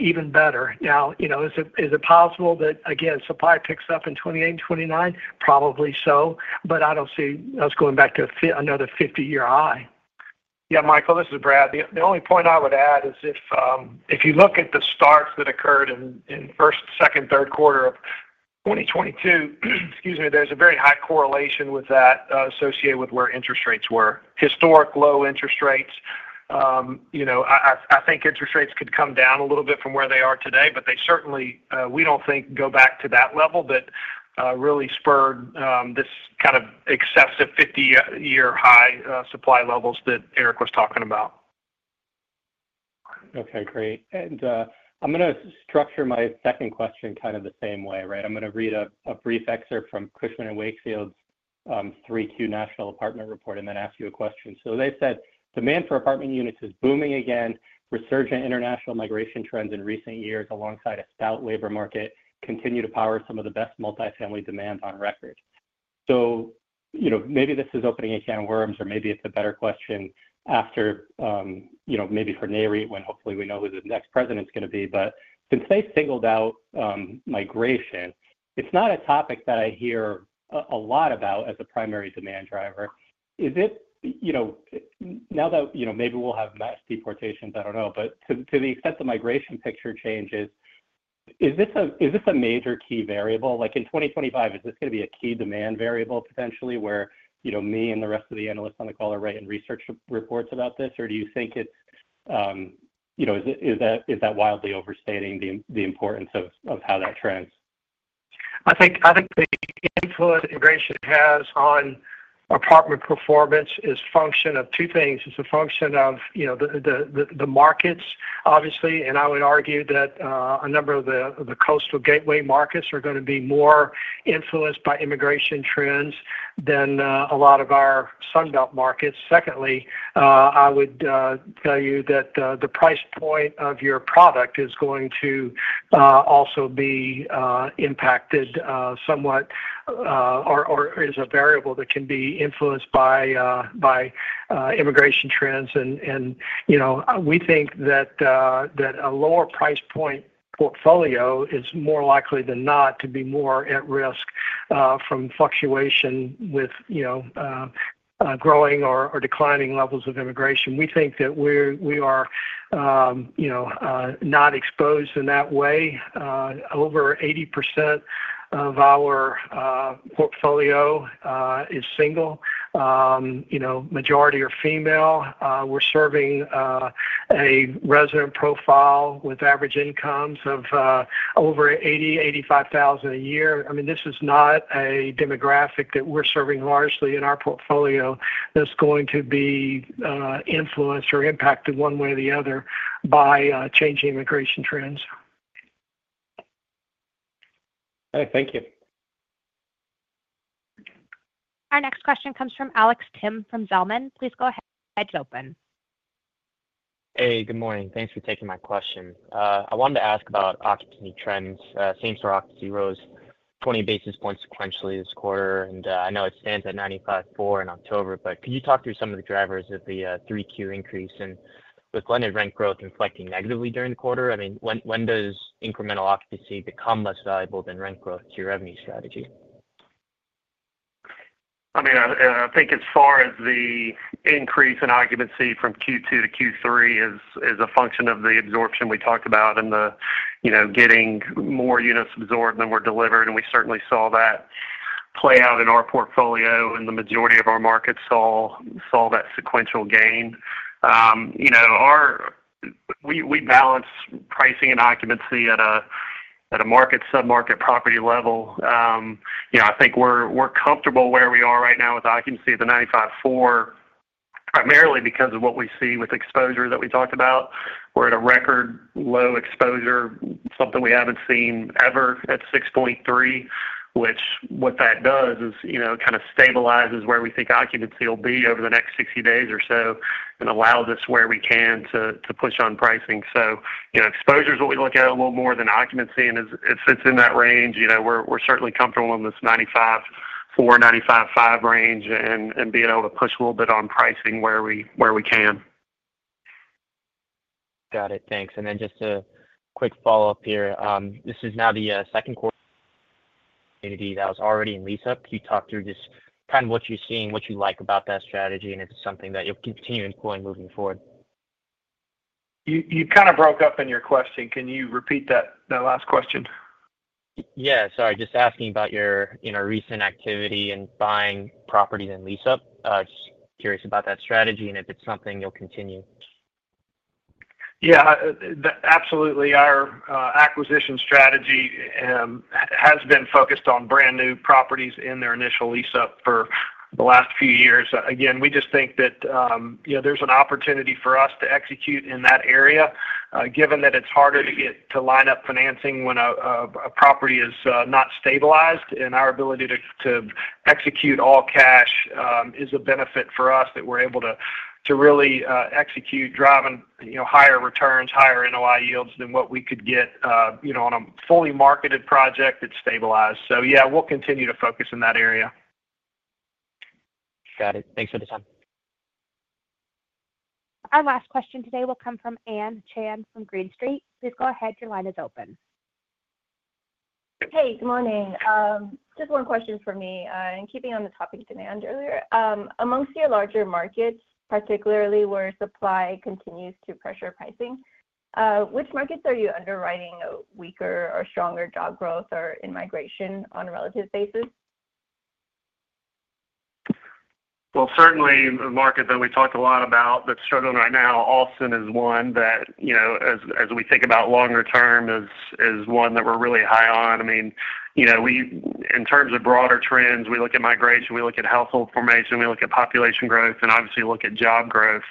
[SPEAKER 3] even better. Now, is it possible that, again, supply picks up in 2028 and 2029? Probably so. But I don't see us going back to another 50-year high.
[SPEAKER 4] Yeah. Michael, this is Brad. The only point I would add is if you look at the starts that occurred in first, second, third quarter of 2022, excuse me, there's a very high correlation with that associated with where interest rates were. Historic low interest rates. I think interest rates could come down a little bit from where they are today, but they certainly we don't think go back to that level that really spurred this kind of excessive 50-year high supply levels that Eric was talking about.
[SPEAKER 20] Okay. Great. And I'm going to structure my second question kind of the same way, right? I'm going to read a brief excerpt from Cushman & Wakefield's 3Q National Apartment Report and then ask you a question. So they said, "Demand for apartment units is booming again. Resurgent international migration trends in recent years alongside a stout labor market continue to power some of the best multifamily demand on record." So maybe this is opening a can of worms, or maybe it's a better question after maybe for Nareit when hopefully we know who the next president's going to be. But since they singled out migration, it's not a topic that I hear a lot about as a primary demand driver. Now that maybe we'll have mass deportations, I don't know. But to the extent the migration picture changes, is this a major key variable? In 2025, is this going to be a key demand variable potentially where me and the rest of the analysts on the call are writing research reports about this, or do you think it's that wildly overstating the importance of how that trends?
[SPEAKER 3] I think the influence migration has on apartment performance is a function of two things. It's a function of the markets, obviously, and I would argue that a number of the coastal gateway markets are going to be more influenced by immigration trends than a lot of our Sunbelt markets. Secondly, I would tell you that the price point of your product is going to also be impacted somewhat or is a variable that can be influenced by immigration trends, and we think that a lower price point portfolio is more likely than not to be more at risk from fluctuation with growing or declining levels of immigration. We think that we are not exposed in that way. Over 80% of our portfolio is single. Majority are female. We're serving a resident profile with average incomes of over $80,000-$85,000 a year. I mean, this is not a demographic that we're serving largely in our portfolio that's going to be influenced or impacted one way or the other by changing immigration trends.
[SPEAKER 20] All right. Thank you.
[SPEAKER 1] Our next question comes from Alex Kim from Zelman. Please go ahead and open it.
[SPEAKER 21] Hey, good morning. Thanks for taking my question. I wanted to ask about occupancy trends. Same-store occupancy rose 20 basis points sequentially this quarter. And I know it stands at 95.4% in October, but could you talk through some of the drivers of the 3Q increase? And with blended rent growth inflecting negatively during the quarter, I mean, when does incremental occupancy become less valuable than rent growth to your revenue strategy?
[SPEAKER 5] I mean, I think as far as the increase in occupancy from Q2-Q3 is a function of the absorption we talked about and the getting more units absorbed than were delivered, and we certainly saw that play out in our portfolio, and the majority of our markets saw that sequential gain. We balance pricing and occupancy at a market, sub-market property level. I think we're comfortable where we are right now with occupancy at the 95.4%, primarily because of what we see with exposure that we talked about. We're at a record low exposure, something we haven't seen ever at 6.3%, which, what that does, is kind of stabilizes where we think occupancy will be over the next 60 days or so and allows us, where we can, to push on pricing. So exposure is what we look at a little more than occupancy, and if it's in that range, we're certainly comfortable in this 95.4%-95.5% range and being able to push a little bit on pricing where we can.
[SPEAKER 21] Got it. Thanks, and then just a quick follow-up here. This is now the second quarter that was already in lease-up. Can you talk through just kind of what you're seeing, what you like about that strategy, and if it's something that you'll continue employing moving forward?
[SPEAKER 5] You kind of broke up in your question. Can you repeat that last question?
[SPEAKER 21] Yeah. Sorry. Just asking about your recent activity in buying properties in lease-up. Just curious about that strategy and if it's something you'll continue.
[SPEAKER 5] Yeah. Absolutely. Our acquisition strategy has been focused on brand new properties in their initial lease-up for the last few years. Again, we just think that there's an opportunity for us to execute in that area, given that it's harder to get to line up financing when a property is not stabilized. And our ability to execute all cash is a benefit for us that we're able to really execute, drive higher returns, higher NOI yields than what we could get on a fully marketed project that's stabilized. So yeah, we'll continue to focus in that area.
[SPEAKER 21] Got it. Thanks for the time.
[SPEAKER 1] Our last question today will come from Ann Chan from Green Street. Please go ahead. Your line is open.
[SPEAKER 22] Hey, good morning. Just one question for me, and keeping on the topic demand earlier, amongst your larger markets, particularly where supply continues to pressure pricing, which markets are you underwriting a weaker or stronger job growth or in-migration on a relative basis?
[SPEAKER 5] Certainly the market that we talked a lot about that's struggling right now, Austin is one that, as we think about longer term, is one that we're really high on. I mean, in terms of broader trends, we look at migration, we look at household formation, we look at population growth, and obviously look at job growth.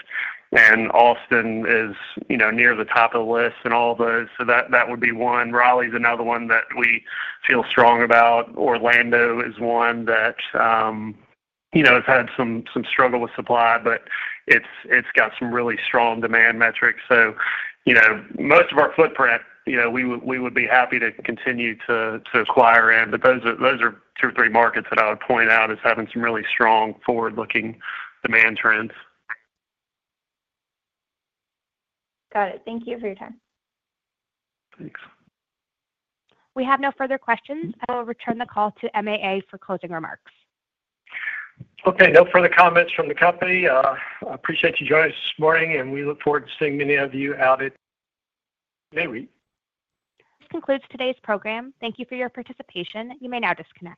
[SPEAKER 5] And Austin is near the top of the list in all those. So that would be one. Raleigh is another one that we feel strong about. Orlando is one that has had some struggle with supply, but it's got some really strong demand metrics. So most of our footprint, we would be happy to continue to acquire in. But those are two or three markets that I would point out as having some really strong forward-looking demand trends.
[SPEAKER 22] Got it. Thank you for your time.
[SPEAKER 5] Thanks.
[SPEAKER 1] We have no further questions. I will return the call to MAA for closing remarks.
[SPEAKER 4] Okay. No further comments from the company. I appreciate you joining us this morning, and we look forward to seeing many of you out at Nareit.
[SPEAKER 1] This concludes today's program. Thank you for your participation. You may now disconnect.